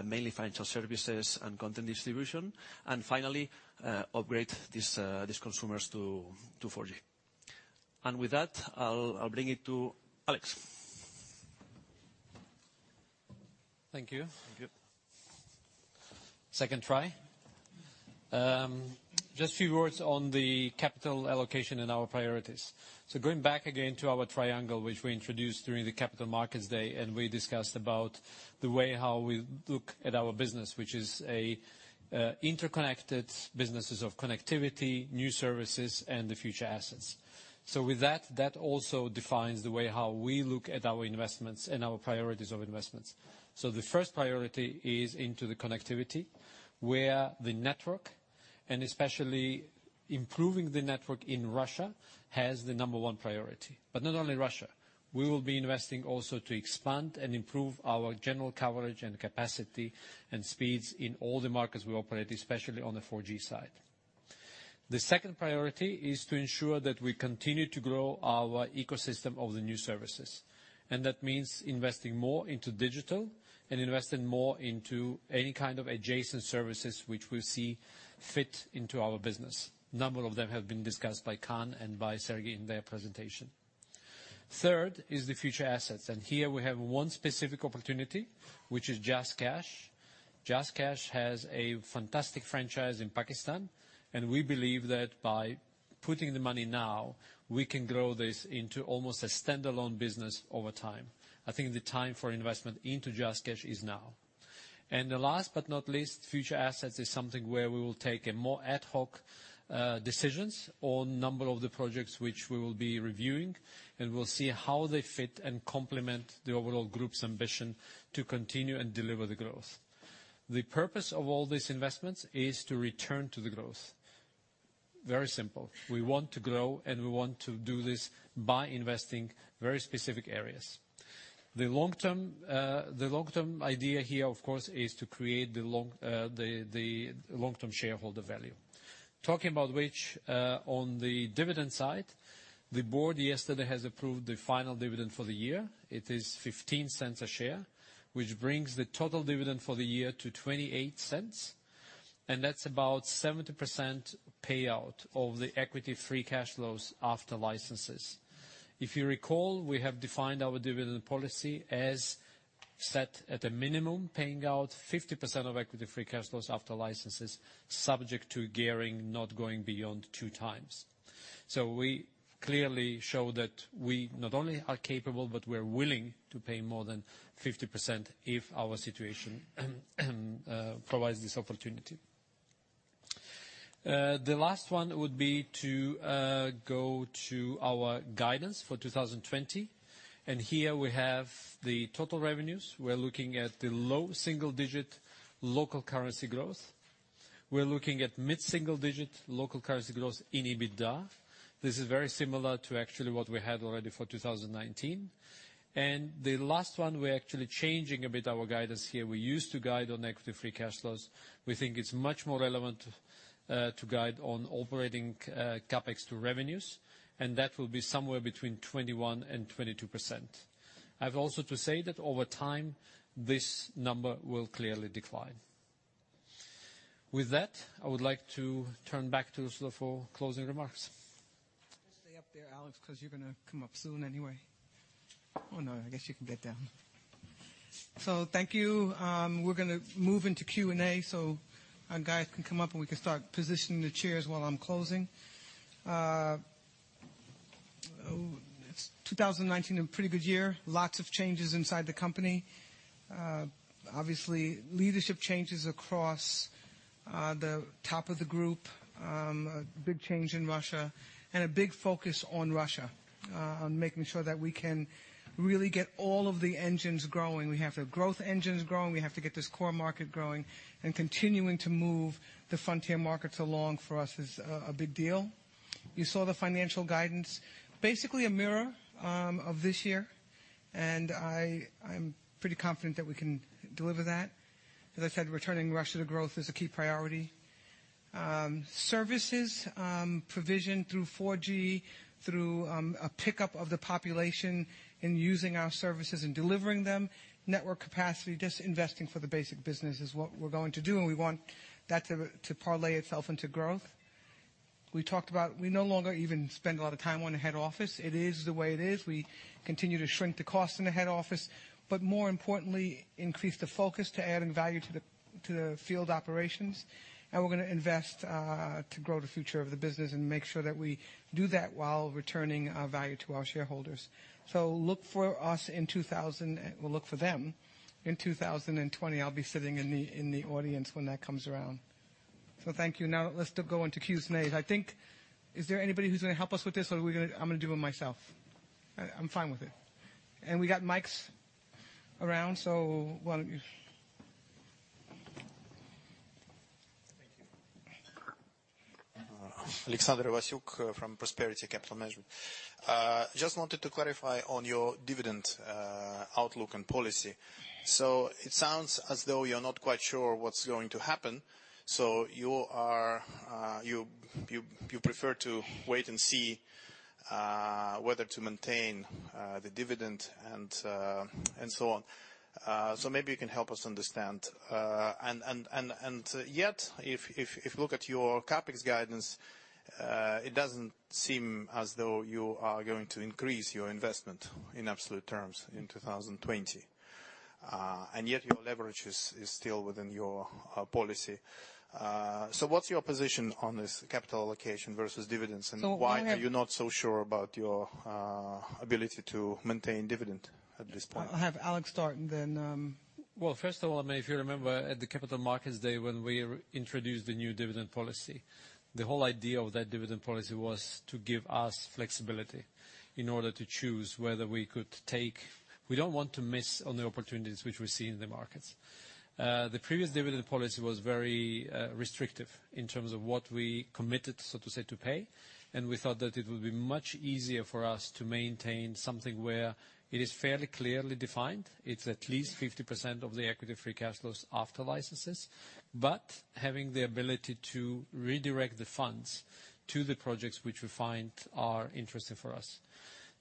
mainly financial services and content distribution, and finally, upgrade these consumers to 4G. With that, I'll bring it to Alex. Thank you. Thank you. Second try. Just a few words on the capital allocation and our priorities. Going back again to our triangle, which we introduced during the Capital Markets Day, and we discussed about the way how we look at our business, which is a interconnected businesses of connectivity, new services, and the future assets. With that also defines the way how we look at our investments and our priorities of investments. The first priority is into the connectivity, where the network, and especially improving the network in Russia, has the number one priority. Not only Russia. We will be investing also to expand and improve our general coverage and capacity and speeds in all the markets we operate, especially on the 4G side. The second priority is to ensure that we continue to grow our ecosystem of the new services. That means investing more into digital and investing more into any kind of adjacent services which we see fit into our business. A number of them have been discussed by Kaan and by Sergi in their presentation. Third is the future assets, and here we have one specific opportunity, which is JazzCash. JazzCash has a fantastic franchise in Pakistan, and we believe that by putting the money now, we can grow this into almost a standalone business over time. I think the time for investment into JazzCash is now. The last but not least, future assets is something where we will take a more ad hoc decisions on a number of the projects which we will be reviewing, and we'll see how they fit and complement the overall group's ambition to continue and deliver the growth. The purpose of all these investments is to return to the growth. Very simple. We want to grow. We want to do this by investing very specific areas. The long-term idea here, of course, is to create the long-term shareholder value. Talking about which, on the dividend side, the Board yesterday has approved the final dividend for the year. It is $0.15 a share, which brings the total dividend for the year to $0.28, and that's about 70% payout of the equity free cash flows after licenses. If you recall, we have defined our dividend policy as set at a minimum, paying out 50% of equity free cash flows after licenses, subject to gearing not going beyond 2x. We clearly show that we not only are capable, but we're willing to pay more than 50% if our situation provides this opportunity. The last one would be to go to our guidance for 2020. Here we have the total revenues. We're looking at the low single-digit local currency growth. We're looking at mid single-digit local currency growth in EBITDA. This is very similar to actually what we had already for 2019. The last one, we're actually changing a bit, our guidance here. We used to guide on equity free cash flows. We think it's much more relevant to guide on operating CapEx to revenues. That will be somewhere between 21%-22%. I've also to say that over time, this number will clearly decline. With that, I would like to turn back to Ursula for closing remarks. Stay up there, Alex, because you're going to come up soon anyway. Oh, no, I guess you can get down. Thank you. We're going to move into Q&A so our guys can come up, and we can start positioning the chairs while I'm closing. 2019, a pretty good year. Lots of changes inside the company. Obviously, leadership changes across the top of the group. A big change in Russia and a big focus on Russia, on making sure that we can really get all of the engines growing. We have to have growth engines growing. We have to get this core market growing and continuing to move the frontier markets along for us is a big deal. You saw the financial guidance, basically a mirror of this year, and I'm pretty confident that we can deliver that. As I said, returning Russia to growth is a key priority. Services, provision through 4G, through a pickup of the population in using our services and delivering them, network capacity, just investing for the basic business is what we're going to do. We want that to parlay itself into growth. We talked about we no longer even spend a lot of time on the head office. It is the way it is. We continue to shrink the costs in the head office. More importantly, increase the focus to adding value to the field operations. We're going to invest to grow the future of the business and make sure that we do that while returning value to our shareholders. Look for them in 2020. I'll be sitting in the audience when that comes around. Thank you. Let's go into Q&A. Is there anybody who's going to help us with this, or I'm going to do it myself? I'm fine with it. We got mics around, why don't you. Alexander Vasyuk from Prosperity Capital Management. Just wanted to clarify on your dividend outlook and policy. It sounds as though you're not quite sure what's going to happen. You prefer to wait and see whether to maintain the dividend and so on. Maybe you can help us understand. Yet, if you look at your CapEx guidance, it doesn't seem as though you are going to increase your investment in absolute terms in 2020. Yet your leverage is still within your policy. What's your position on this capital allocation versus dividends? Why are you not so sure about your ability to maintain dividend at this point? I'll have Alex start and then. First of all, if you remember at the Capital Markets Day, when we introduced the new dividend policy, the whole idea of that dividend policy was to give us flexibility in order to choose. We don't want to miss on the opportunities which we see in the markets. The previous dividend policy was very restrictive in terms of what we committed, so to say, to pay. We thought that it would be much easier for us to maintain something where it is fairly clearly defined. It's at least 50% of the equity free cash flows after licenses, having the ability to redirect the funds to the projects which we find are interesting for us.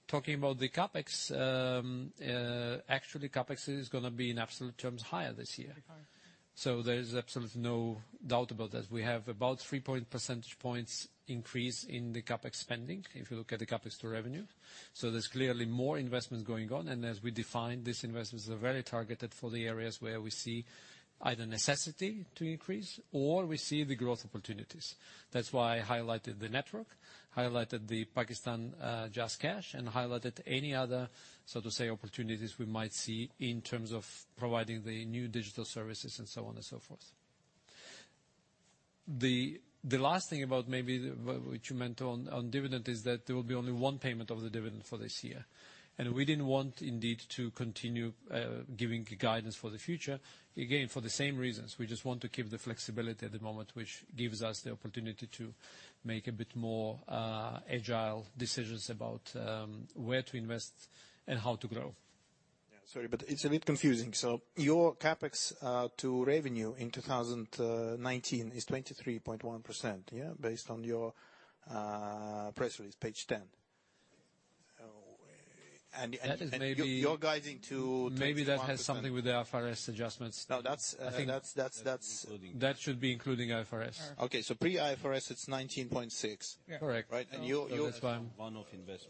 Talking about the CapEx, actually CapEx is going to be in absolute terms higher this year. There is absolutely no doubt about that. We have about three percentage points increase in the CapEx spending, if you look at the CapEx to revenue. There's clearly more investment going on, and as we defined, these investments are very targeted for the areas where we see either necessity to increase or we see the growth opportunities. That's why I highlighted the network, highlighted the Pakistan JazzCash, and highlighted any other, so to say, opportunities we might see in terms of providing the new digital services and so on and so forth. The last thing about maybe what you meant on dividend is that there will be only one payment of the dividend for this year, and we didn't want indeed to continue giving guidance for the future. For the same reasons, we just want to keep the flexibility at the moment, which gives us the opportunity to make a bit more agile decisions about where to invest and how to grow. Yeah, sorry, but it's a bit confusing. Your CapEx to revenue in 2019 is 23.1%, yeah, based on your press release, page 10. You're guiding to 21%? Maybe that has something with the IFRS adjustments. I think that should be including IFRS. Okay. pre-IFRS, it's 19.6. Correct. 19.6,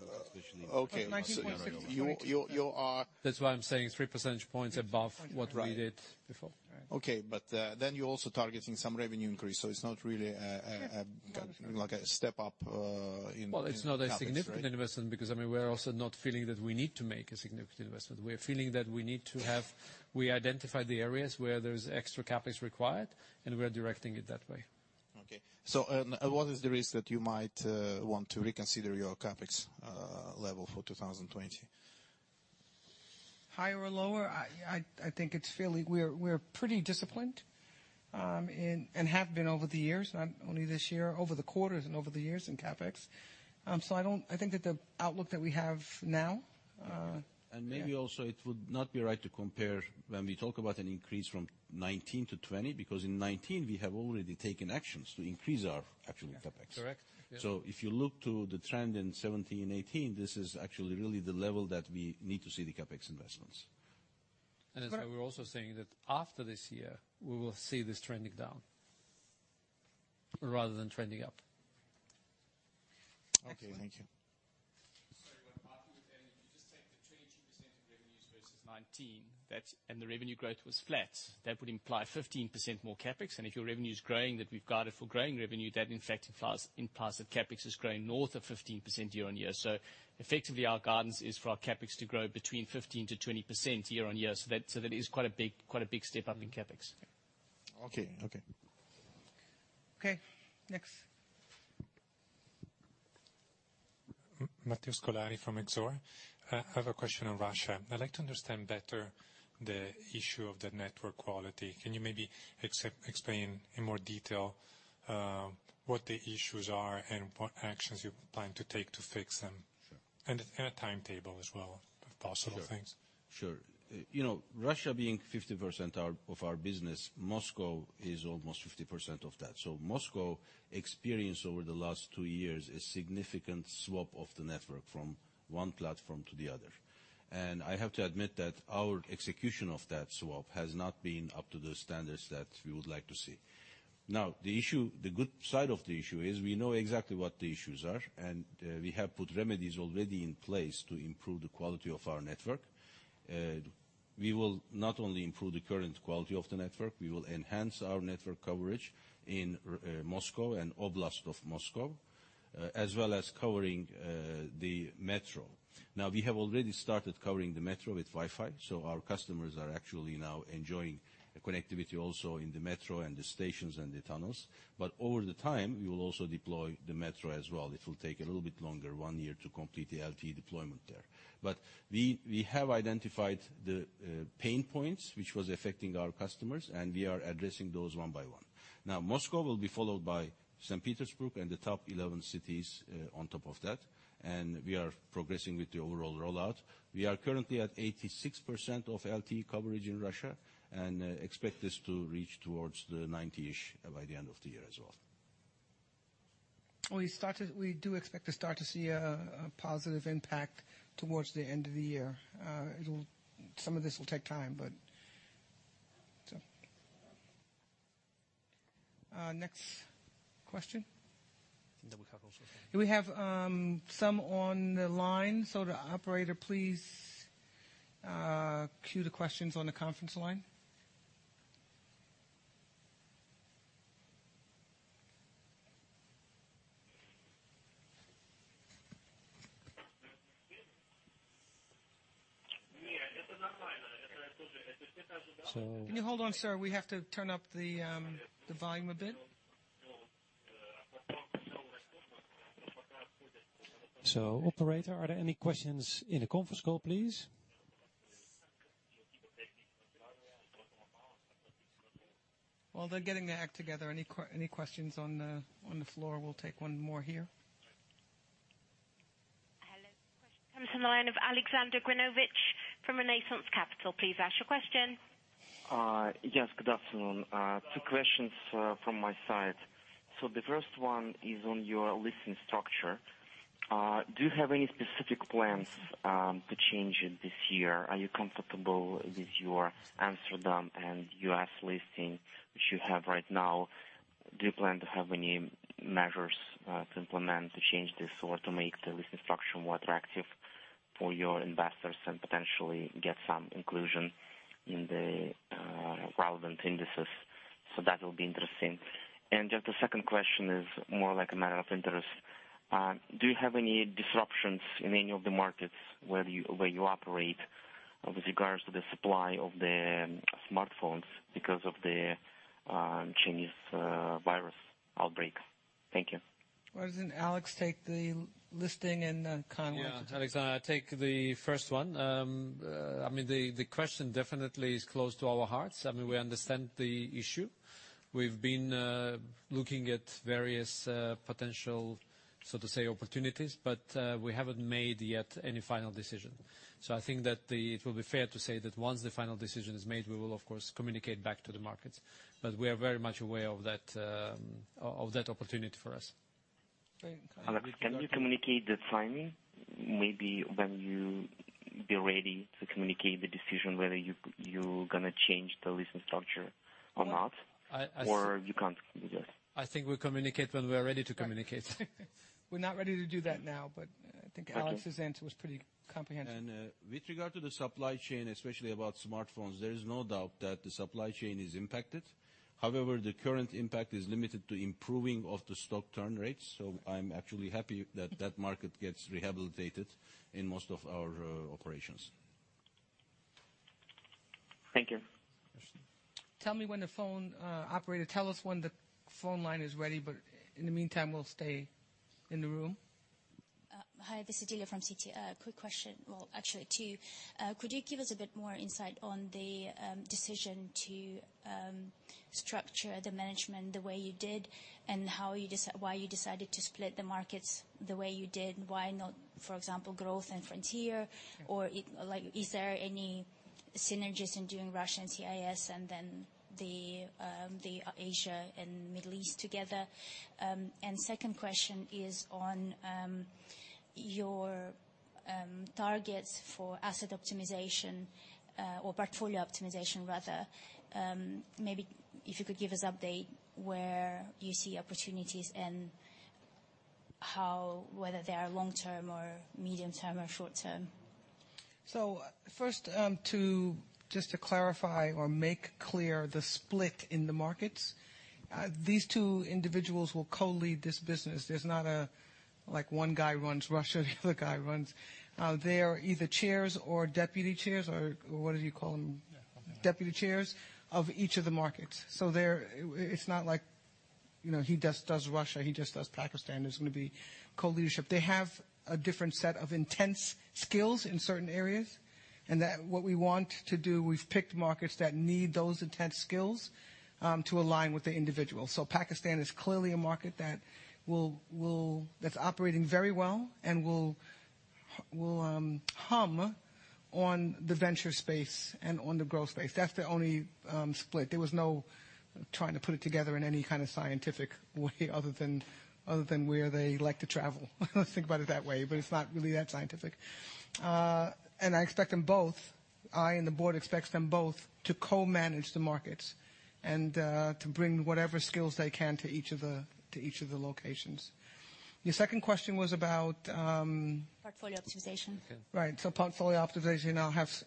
right? That's why I'm saying three percentage points above what we did before. Right. Okay. You're also targeting some revenue increase, so it's not really like a step up in CapEx, right? Well, it's not a significant investment because, we're also not feeling that we need to make a significant investment. We identified the areas where there's extra CapEx required, and we're directing it that way. Okay. What is the risk that you might want to reconsider your CapEx level for 2020? Higher or lower? I think we're pretty disciplined, and have been over the years, not only this year, over the quarters and over the years in CapEx. I think that the outlook that we have now. Maybe also it would not be right to compare when we talk about an increase from 2019 to 2020, because in 2019, we have already taken actions to increase our actual CapEx. If you look to the trend in 2017, 2018, this is actually really the level that we need to see the CapEx investments. That's why we're also saying that after this year, we will see this trending down rather than trending up. Okay. Thank you. If you just take the 22% of revenues versus 2019, and the revenue growth was flat, that would imply 15% more CapEx. If your revenue's growing, that we've guided for growing revenue, that in fact implies that CapEx is growing north of 15% year-on-year. Effectively, our guidance is for our CapEx to grow between 15%-20% year-on-year. That is quite a big step up in CapEx. Matthew Scolari from EXOR. I have a question on Russia. I'd like to understand better the issue of the network quality. Can you maybe explain in more detail, what the issues are and what actions you plan to take to fix them? A timetable as well, if possible, thanks. Sure. Russia being 50% of our business, Moscow is almost 50% of that. Moscow experienced over the last two years, a significant swap of the network from one platform to the other. I have to admit that our execution of that swap has not been up to the standards that we would like to see. The good side of the issue is we know exactly what the issues are, and we have put remedies already in place to improve the quality of our network. We will not only improve the current quality of the network, we will enhance our network coverage in Moscow and Oblast of Moscow, as well as covering the metro. We have already started covering the metro with Wi-Fi, so our customers are actually now enjoying connectivity also in the metro and the stations and the tunnels. Over time, we will also deploy the metro as well. It will take a little bit longer, one year, to complete the LTE deployment there. We have identified the pain points which was affecting our customers, and we are addressing those one by one. Now, Moscow will be followed by St. Petersburg and the top 11 cities on top of that, and we are progressing with the overall rollout. We are currently at 86% of LTE coverage in Russia, and expect this to reach towards the 90-ish by the end of the year as well. We do expect to start to see a positive impact towards the end of the year. Some of this will take time. Next question. Do we have some on the line? To operator, please cue the questions on the conference line. Can you hold on, sir? We have to turn up the volume a bit. Operator, are there any questions in the conference call, please? While they're getting their act together, any questions on the floor? We'll take one more here. Hello. Question comes from the line of Alexander Vengranovich from Renaissance Capital. Please ask your question. Yes, good afternoon. Two questions from my side. The first one is on your listing structure. Do you have any specific plans to change it this year? Are you comfortable with your Amsterdam and U.S. listing, which you have right now? Do you plan to have any measures to implement to change this or to make the listing structure more attractive for your investors and potentially get some inclusion in the relevant indices? That will be interesting. Just a second question is more like a matter of interest. Do you have any disruptions in any of the markets where you operate with regards to the supply of the smartphones because of the Chinese virus outbreak? Thank you. Why doesn't Alex take the listing and Kaan? Yeah, Alexander, I'll take the first one. The question definitely is close to our hearts. We understand the issue. We've been looking at various potential, so to say, opportunities, but we haven't made yet any final decision. I think that it will be fair to say that once the final decision is made, we will of course communicate back to the markets. We are very much aware of that opportunity for us. Alex, can you communicate the timing? Maybe when you be ready to communicate the decision whether you're going to change the recent structure or not? I think we'll communicate when we are ready to communicate. We're not ready to do that now, but I think Alex's answer was pretty comprehensive. With regard to the supply chain, especially about smartphones, there is no doubt that the supply chain is impacted. However, the current impact is limited to improving of the stock turn rates. I'm actually happy that that market gets rehabilitated in most of our operations. Thank you. Operator, tell us when the phone line is ready, but in the meantime, we'll stay in the room. Hi, this is Delia from CT. Quick question, well, actually two. Could you give us a bit more insight on the decision to structure the management the way you did and why you decided to split the markets the way you did? Why not, for example, growth and frontier? Is there any synergies in doing Russian CIS and then the Asia and Middle East together? Second question is on your targets for asset optimization or portfolio optimization rather. Maybe if you could give us update where you see opportunities and whether they are long-term or medium-term or short-term. First, just to clarify or make clear the split in the markets. These two individuals will co-lead this business. There's not one guy runs Russia, the other guy runs. They are either chairs or deputy chairs or what do you call them? Deputy chairs of each of the markets. It's not like he just does Russia, he just does Pakistan. There's going to be co-leadership. They have a different set of intense skills in certain areas, and that what we want to do, we've picked markets that need those intense skills to align with the individual. Pakistan is clearly a market that's operating very well and will hum on the venture space and on the growth space. That's the only split. There was no trying to put it together in any kind of scientific way other than where they like to travel. Let's think about it that way, but it's not really that scientific. I expect them both, I and the board expects them both to co-manage the markets and to bring whatever skills they can to each of the locations. Your second question was about? Portfolio optimization. Right. Portfolio optimization, I'll have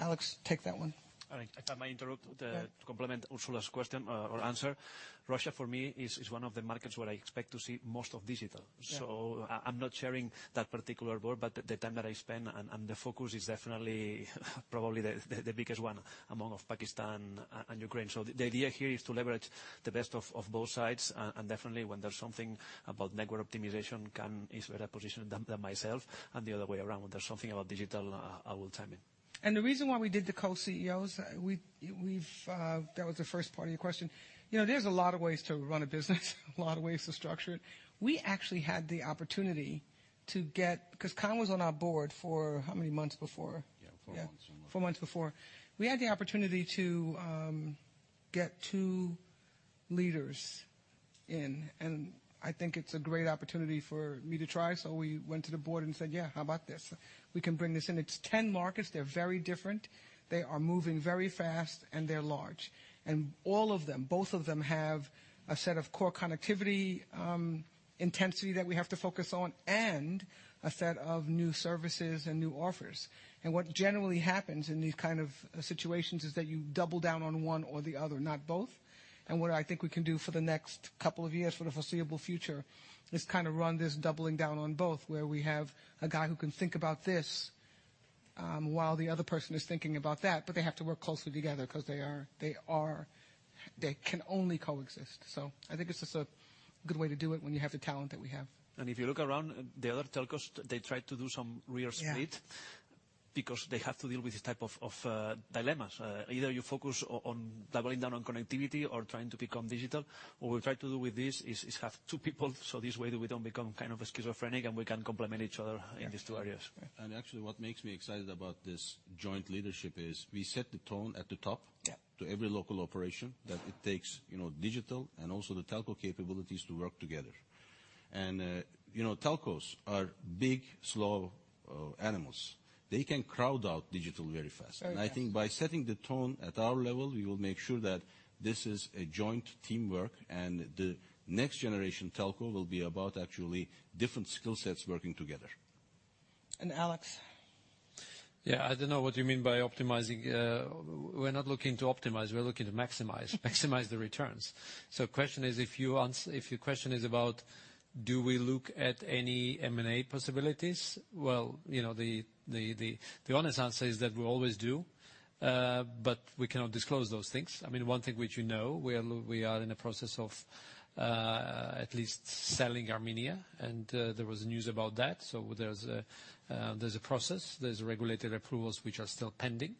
Alex take that one. All right. If I may interrupt to complement Ursula's answer. Russia, for me, is one of the markets where I expect to see most of digital. I'm not sharing that particular board, but the time that I spend and the focus is definitely probably the biggest one among of Pakistan and Ukraine. The idea here is to leverage the best of both sides, and definitely when there's something about network optimization, Kaan is better positioned than myself, and the other way around. When there's something about digital, I will chime in. The reason why we did the Co-CEOs, that was the first part of your question. There's a lot of ways to run a business, a lot of ways to structure it. We actually had the opportunity to get, because Kaan was on our board for how many months before? Yeah, four months. Four months before. We had the opportunity to get two leaders in, and I think it's a great opportunity for me to try. We went to the board and said, "Yeah, how about this? We can bring this in." It's 10 markets. They're very different. They are moving very fast, and they're large. All of them, both of them have a set of core connectivity intensity that we have to focus on and a set of new services and new offers. What generally happens in these kind of situations is that you double down on one or the other, not both. What I think we can do for the next couple of years, for the foreseeable future, is run this doubling down on both, where we have a guy who can think about this, while the other person is thinking about that, but they have to work closely together because they can only coexist. I think it's just a good way to do it when you have the talent that we have. If you look around, the other telcos, they try to do some real split. They have to deal with this type of dilemmas. Either you focus on doubling down on connectivity or trying to become digital. What we try to do with this is have two people, so this way we don't become kind of schizophrenic and we can complement each other in these two areas. Actually, what makes me excited about this joint leadership is we set the tone at the top to every local operation that it takes digital and also the telco capabilities to work together. telcos are big, slow animals. They can crowd out digital very fast. I think by setting the tone at our level, we will make sure that this is a joint teamwork and the next generation telco will be about actually different skill sets working together. Alex. Yeah, I don't know what you mean by optimizing. We're not looking to optimize, we're looking to maximize. Maximize the returns. If your question is about do we look at any M&A possibilities. Well, the honest answer is that we always do, but we cannot disclose those things. One thing which you know, we are in the process of at least selling Armenia, and there was news about that. There's a process, there's regulated approvals which are still pending.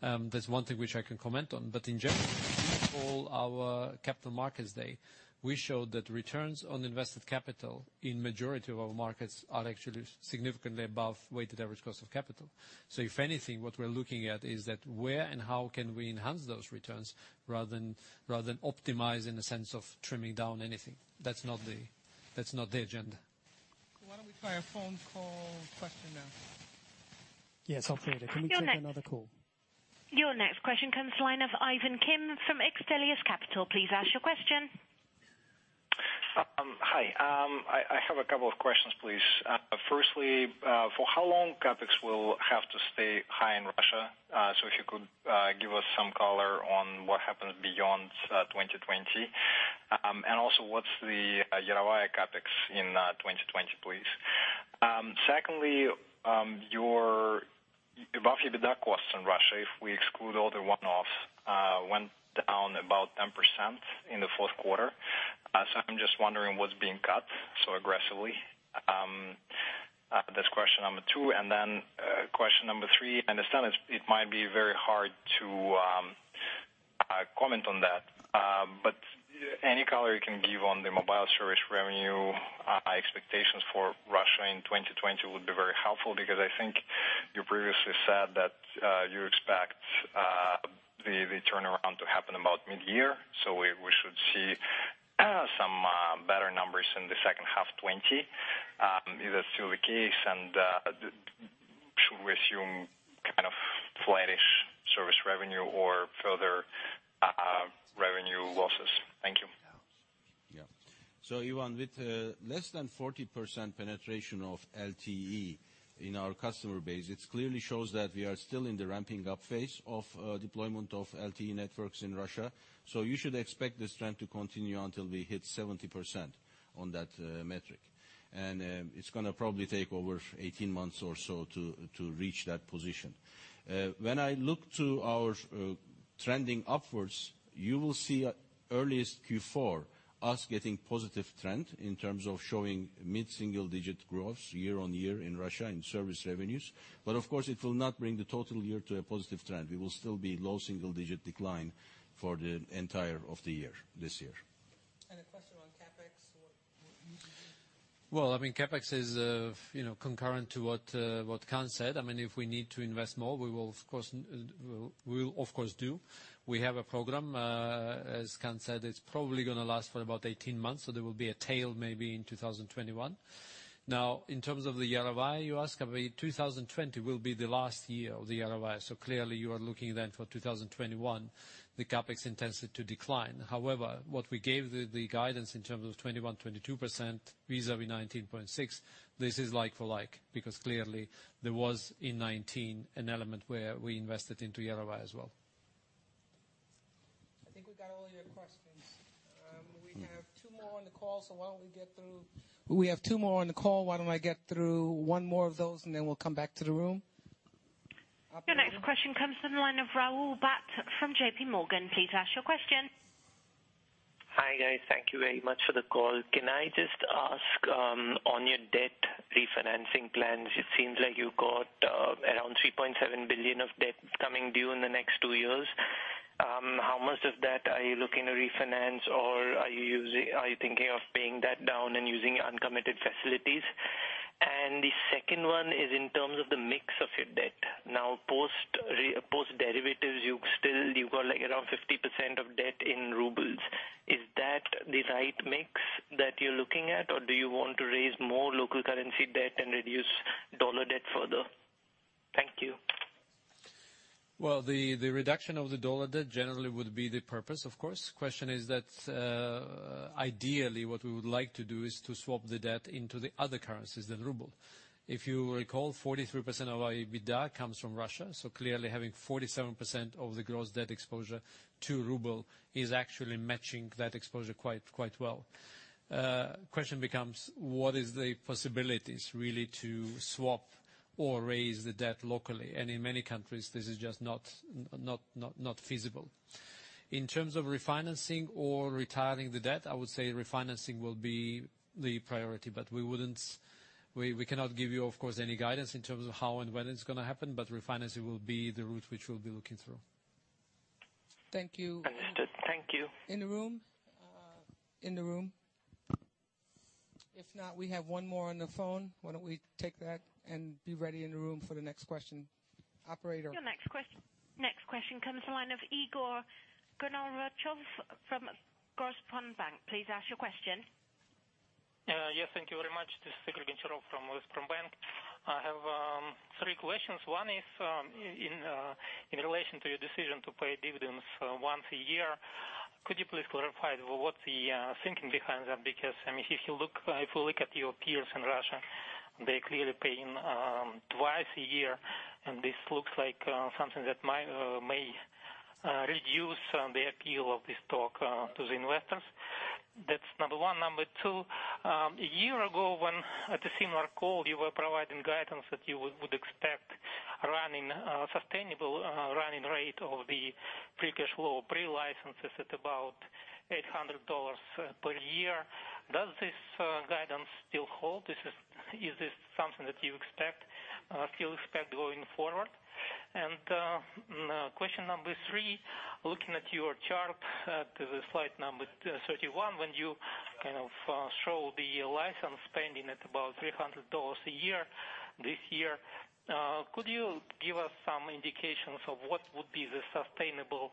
There's one thing which I can comment on, but in general, our Capital Markets Day, we showed that returns on invested capital in majority of our markets are actually significantly above weighted average cost of capital. If anything, what we're looking at is that where and how can we enhance those returns rather than optimize in the sense of trimming down anything. That's not the agenda. Why don't we try a phone call question now? Yes, operator, can we take another call? Your next question comes line of Ivan Kim from Xtellus Capital. Please ask your question. Hi. I have a couple of questions, please. Firstly, for how long CapEx will have to stay high in Russia. If you could give us some color on what happens beyond 2020. What's the Yarovaya CapEx in 2020, please? Secondly, your above EBITDA costs in Russia, if we exclude all the one-offs, went down about 10% in the fourth quarter. I'm just wondering what's being cut so aggressively. That's question number 2. Question number 3, I understand it might be very hard to comment on that, but any color you can give on the mobile service revenue expectations for Russia in 2020 would be very helpful, because I think you previously said that you expect the turnaround to happen about mid-year. We should see some better numbers in the second half 2020. Is that still the case? Should we assume kind of flattish service revenue or further revenue losses? Thank you. Yeah. Ivan, with less than 40% penetration of LTE in our customer base, it clearly shows that we are still in the ramping up phase of deployment of LTE networks in Russia. You should expect this trend to continue until we hit 70% on that metric. It's going to probably take over 18 months or so to reach that position. When I look to our trending upwards, you will see earliest Q4 us getting positive trend in terms of showing mid-single digit growth year-on-year in Russia in service revenues. Of course, it will not bring the total year to a positive trend. We will still be low single digit decline for the entire of the year, this year. A question on CapEx. CapEx is concurrent to what Kaan said. If we need to invest more, we will of course do. We have a program, as Kaan said, it's probably going to last for about 18 months, so there will be a tail maybe in 2021. In terms of the Yarovaya Law you ask, 2020 will be the last year of the Yarovaya Law. Clearly you are looking then for 2021, the CapEx intensity to decline. What we gave the guidance in terms of 21%, 22% vis-a-vis 19.6%, this is like for like, because clearly there was in 2019 an element where we invested into Yarovaya Law as well. I think we got all your questions. We have two more on the call. Why don't I get through one more of those and then we'll come back to the room. Operator? Your next question comes from the line of Rahul Bhat from JPMorgan. Please ask your question. Hi, guys. Thank you very much for the call. Can I just ask on your debt refinancing plans, it seems like you got around $3.7 billion of debt coming due in the next 2 years. How much of that are you looking to refinance or are you thinking of paying that down and using uncommitted facilities? The second one is in terms of the mix of your debt. Now, post derivatives, you've got around 50% of debt in RUB. Is that the right mix that you're looking at, or do you want to raise more local currency debt and reduce USD debt further? Thank you. Well, the reduction of the dollar debt generally would be the purpose, of course. Question is that, ideally what we would like to do is to swap the debt into the other currencies than ruble. If you recall, 43% of our EBITDA comes from Russia. Clearly having 47% of the gross debt exposure to ruble is actually matching that exposure quite well. Question becomes what is the possibilities really to swap or raise the debt locally? In many countries, this is just not feasible. In terms of refinancing or retiring the debt, I would say refinancing will be the priority, but we cannot give you, of course, any guidance in terms of how and when it's going to happen, but refinancing will be the route which we'll be looking through. Thank you. Understood. Thank you. In the room? In the room? If not, we have one more on the phone. Why don't we take that and be ready in the room for the next question. Operator? Your next question comes the line of Igor Gurevich from Vneshtorgbank. Please ask your question. Yes, thank you very much. This is Igor Gurevich from Vneshtorgbank. I have three questions. One is in relation to your decision to pay dividends once a year. Could you please clarify what's the thinking behind that? Because if we look at your peers in Russia, they're clearly paying twice a year, and this looks like something that may reduce the appeal of this stock to the investors. That's number one. Number two, a year ago when at a similar call, you were providing guidance that you would expect sustainable running rate of the pre-cash flow, pre-licenses at about $800 per year. Does this guidance still hold? Is this something that you still expect going forward? Question number three, looking at your chart, at the slide number 31, when you show the license spending at about $300 a year this year, could you give us some indications of what would be the sustainable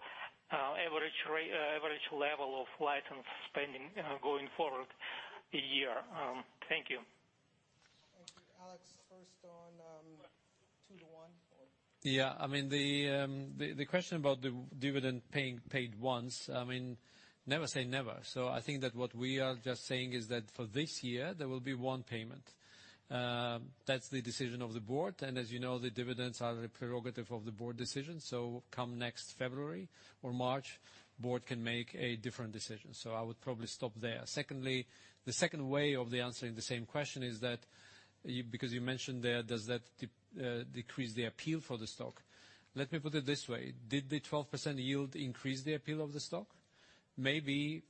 average level of license spending going forward a year? Thank you. Yeah. The question about the dividend paid once, never say never. I think that what we are just saying is that for this year there will be one payment. That's the decision of the board, and as you know, the dividends are the prerogative of the board decision. Come next February or March, board can make a different decision. I would probably stop there. Secondly, the second way of answering the same question is that, because you mentioned there, does that decrease the appeal for the stock? Let me put it this way: did the 12% yield increase the appeal of the stock? Maybe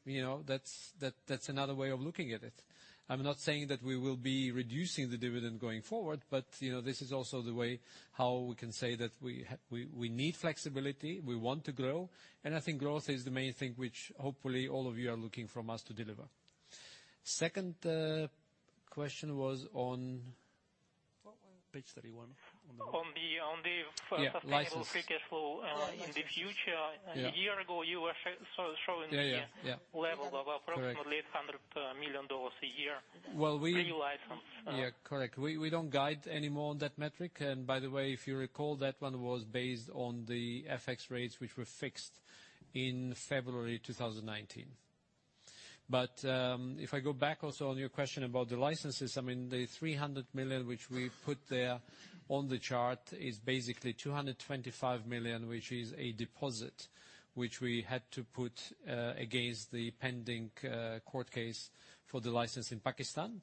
that's another way of looking at it. I'm not saying that we will be reducing the dividend going forward, but this is also the way how we can say that we need flexibility, we want to grow, and I think growth is the main thing which hopefully all of you are looking from us to deliver. Second question was on page 31. License Sustainable free cash flow in the future. A year ago, you were showing level of approximately $800 million a year. Renew license. Yeah, correct. We don't guide any more on that metric. By the way, if you recall, that one was based on the FX rates, which were fixed in February 2019. If I go back also on your question about the licenses, the $300 million which we put there on the chart is basically $225 million, which is a deposit which we had to put against the pending court case for the license in Pakistan.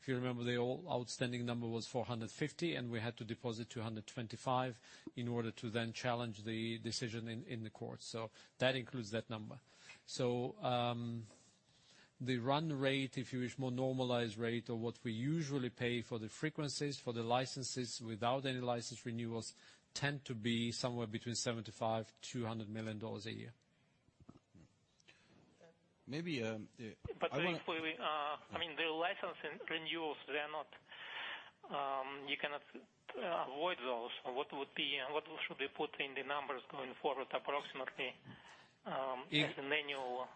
If you remember, the outstanding number was $450, and we had to deposit $225 in order to then challenge the decision in the court. That includes that number. The run rate, if you wish, more normalized rate or what we usually pay for the frequencies, for the licenses without any license renewals, tend to be somewhere between $75 million-$200 million a year Hopefully, the license renewals, you cannot avoid those. What should we put in the numbers going forward, approximately, as an annual spending?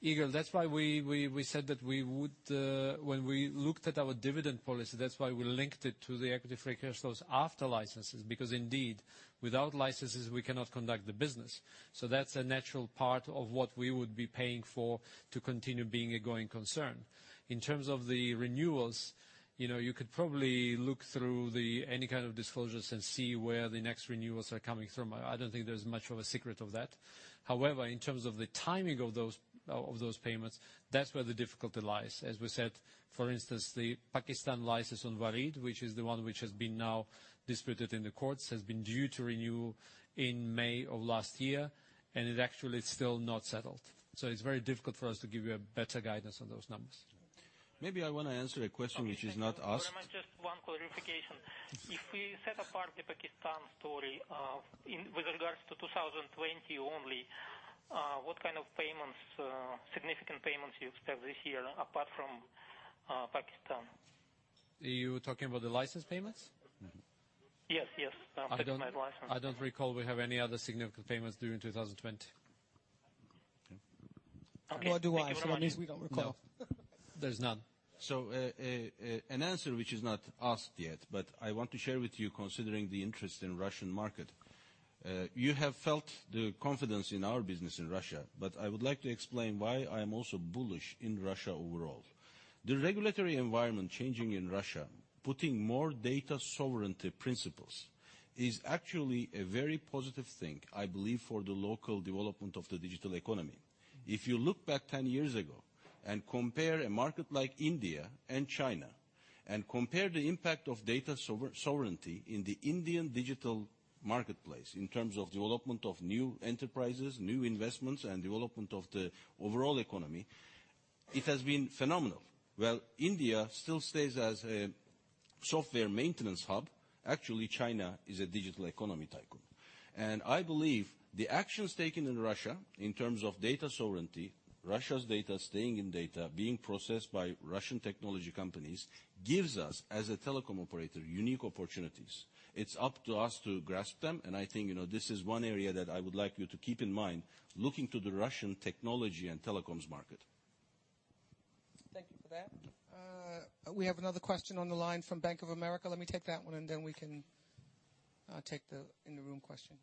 Igor, that's why we said that when we looked at our dividend policy, that's why we linked it to the equity free cash flows after licenses, because indeed without licenses we cannot conduct the business. That's a natural part of what we would be paying for to continue being a going concern. In terms of the renewals, you could probably look through any kind of disclosures and see where the next renewals are coming from. I don't think there's much of a secret of that. However, in terms of the timing of those payments, that's where the difficulty lies. As we said, for instance, the Pakistan license on Warid, which is the one which has been now disputed in the courts, has been due to renew in May of last year, and is actually still not settled. It's very difficult for us to give you a better guidance on those numbers. Maybe I want to answer a question which is not asked. Just one clarification. If we set apart the Pakistan story, with regards to 2020 only, what kind of significant payments you expect this year apart from Pakistan? You talking about the license payments? Yes. I don't recall we have any other significant payments due in 2020. Okay. Thank you very much. Nor do I. That means we don't recall. There's none. An answer which is not asked yet, but I want to share with you considering the interest in Russian market. You have felt the confidence in our business in Russia, but I would like to explain why I am also bullish in Russia overall. The regulatory environment changing in Russia, putting more data sovereignty principles, is actually a very positive thing, I believe, for the local development of the digital economy. If you look back 10 years ago and compare a market like India and China, and compare the impact of data sovereignty in the Indian digital marketplace in terms of development of new enterprises, new investments, and development of the overall economy, it has been phenomenal. While India still stays as a software maintenance hub, actually China is a digital economy tycoon. I believe the actions taken in Russia in terms of data sovereignty, Russia’s data staying in data, being processed by Russian technology companies, gives us, as a telecom operator, unique opportunities. It’s up to us to grasp them. I think this is one area that I would like you to keep in mind looking to the Russian technology and telecoms market. Thank you for that. We have another question on the line from Bank of America. Let me take that one and then we can take the in-the-room question.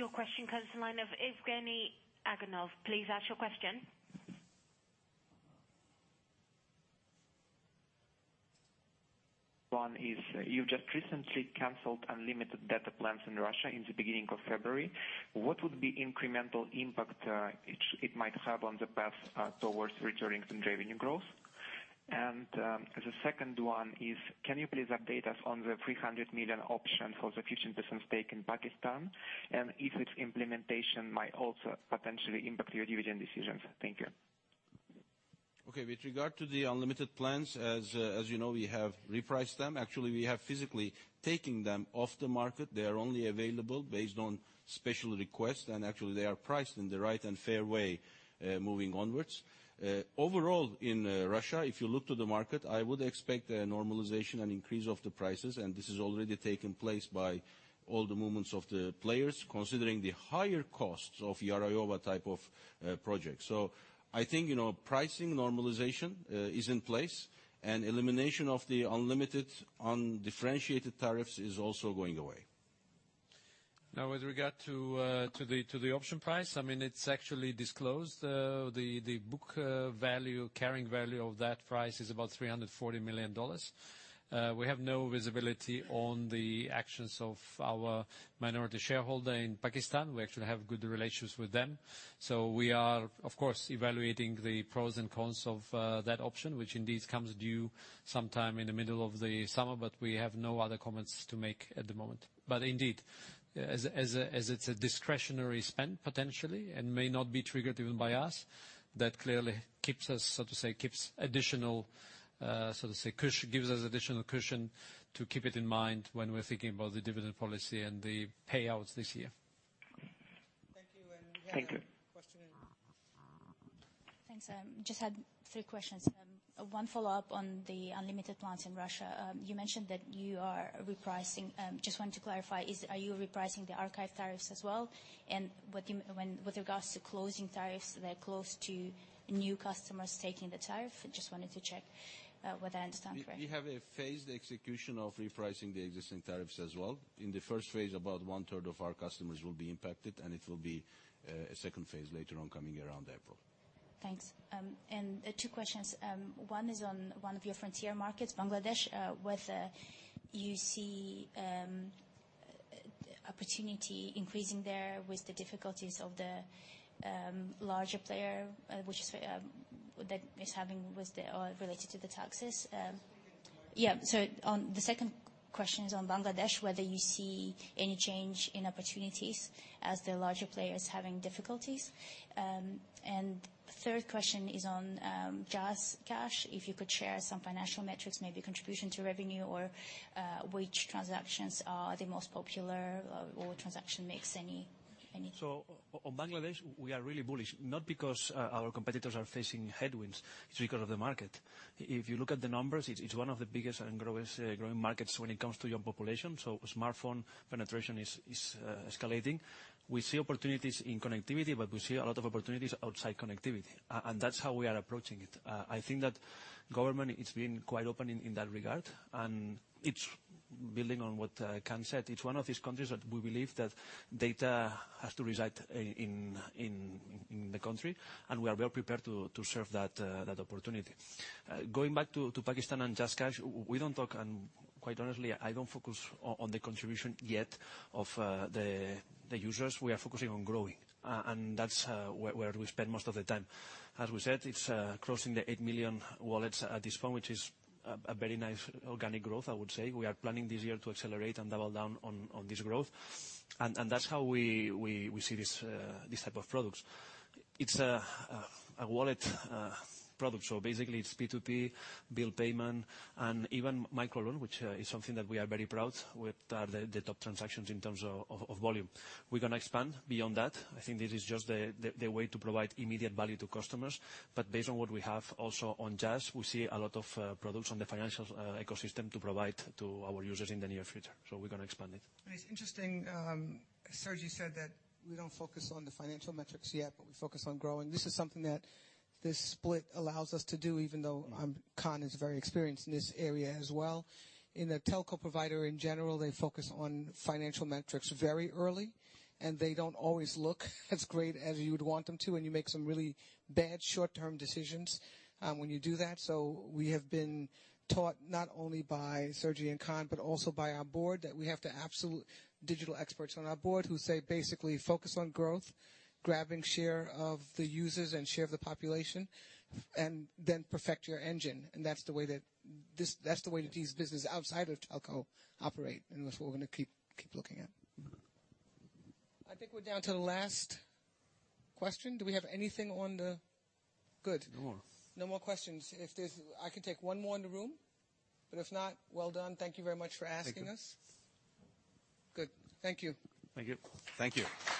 Your question comes the line of Evgeny Aganov. Please ask your question. One is, you've just recently canceled unlimited data plans in Russia in the beginning of February. What would be incremental impact it might have on the path towards returning to revenue growth? The second one is can you please update us on the $300 million option for the 50% stake in Pakistan, and if its implementation might also potentially impact your division decisions? Thank you. Okay. With regard to the unlimited plans, as you know, we have repriced them. Actually, we have physically taken them off the market. They are only available based on special request, and actually they are priced in the right and fair way moving onwards. Overall in Russia, if you look to the market, I would expect a normalization and increase of the prices, and this has already taken place by all the movements of the players, considering the higher costs of Yarovaya type of project. I think pricing normalization is in place, and elimination of the unlimited undifferentiated tariffs is also going away. Now, with regard to the option price, it's actually disclosed. The book value, carrying value of that price is about $340 million. We have no visibility on the actions of our minority shareholder in Pakistan. We actually have good relations with them. We are, of course, evaluating the pros and cons of that option, which indeed comes due sometime in the middle of the summer, but we have no other comments to make at the moment. Indeed, as it's a discretionary spend, potentially, and may not be triggered even by us, that clearly keeps us, so to say, gives us additional cushion to keep it in mind when we're thinking about the dividend policy and the payouts this year. Thank you. We have a question in. Thanks. Just had three questions. One follow-up on the unlimited plans in Russia. You mentioned that you are repricing. Just wanted to clarify, are you repricing the archive tariffs as well? With regards to closing tariffs, they're closed to new customers taking the tariff. Just wanted to check what I understand correct. We have a phased execution of repricing the existing tariffs as well. In the first phase, about 1/3 of our customers will be impacted, and it will be a second phase later on coming around April. Thanks. Two questions. One is on one of your frontier markets, Bangladesh. Whether you see opportunity increasing there with the difficulties of the larger player, that is related to the taxes. Can you repeat the question? Yeah. The second question is on Bangladesh, whether you see any change in opportunities as the larger player is having difficulties. Third question is on JazzCash, if you could share some financial metrics, maybe contribution to revenue or which transactions are the most popular or what transaction makes any impact. On Bangladesh, we are really bullish, not because our competitors are facing headwinds, it's because of the market. If you look at the numbers, it's one of the biggest and growing markets when it comes to young population, so smartphone penetration is escalating. We see opportunities in connectivity, but we see a lot of opportunities outside connectivity. That's how we are approaching it. I think that government, it's been quite open in that regard, and it's building on what Kaan said. It's one of these countries that we believe that data has to reside in the country, and we are well prepared to serve that opportunity. Going back to Pakistan and JazzCash, we don't talk, and quite honestly, I don't focus on the contribution yet of the users. We are focusing on growing. That's where we spend most of the time. As we said, it's crossing the 8 million wallets at this point, which is a very nice organic growth, I would say. We are planning this year to accelerate and double down on this growth. That's how we see these type of products. It's a wallet product, so basically it's P2P, bill payment, and even micro loan, which is something that we are very proud with the top transactions in terms of volume. We're going to expand beyond that. I think this is just the way to provide immediate value to customers. Based on what we have also on Jazz, we see a lot of products on the financial ecosystem to provide to our users in the near future. We're going to expand it. It's interesting, Sergi said that we don't focus on the financial metrics yet, but we focus on growing. This is something that this split allows us to do, even though Kaan is very experienced in this area as well. In a telco provider in general, they focus on financial metrics very early, and they don't always look as great as you would want them to, and you make some really bad short-term decisions when you do that. We have been taught not only by Sergi and Kaan, but also by our board, that we have the absolute digital experts on our board who say, basically, focus on growth, grabbing share of the users and share the population, and then perfect your engine. That's the way that these businesses outside of telco operate, and that's what we're going to keep looking at. I think we're down to the last question. Good. No more. No more questions. I can take one more in the room, but if not, well done. Thank you very much for asking us. Thank you. Good. Thank you. Thank you. Thank you.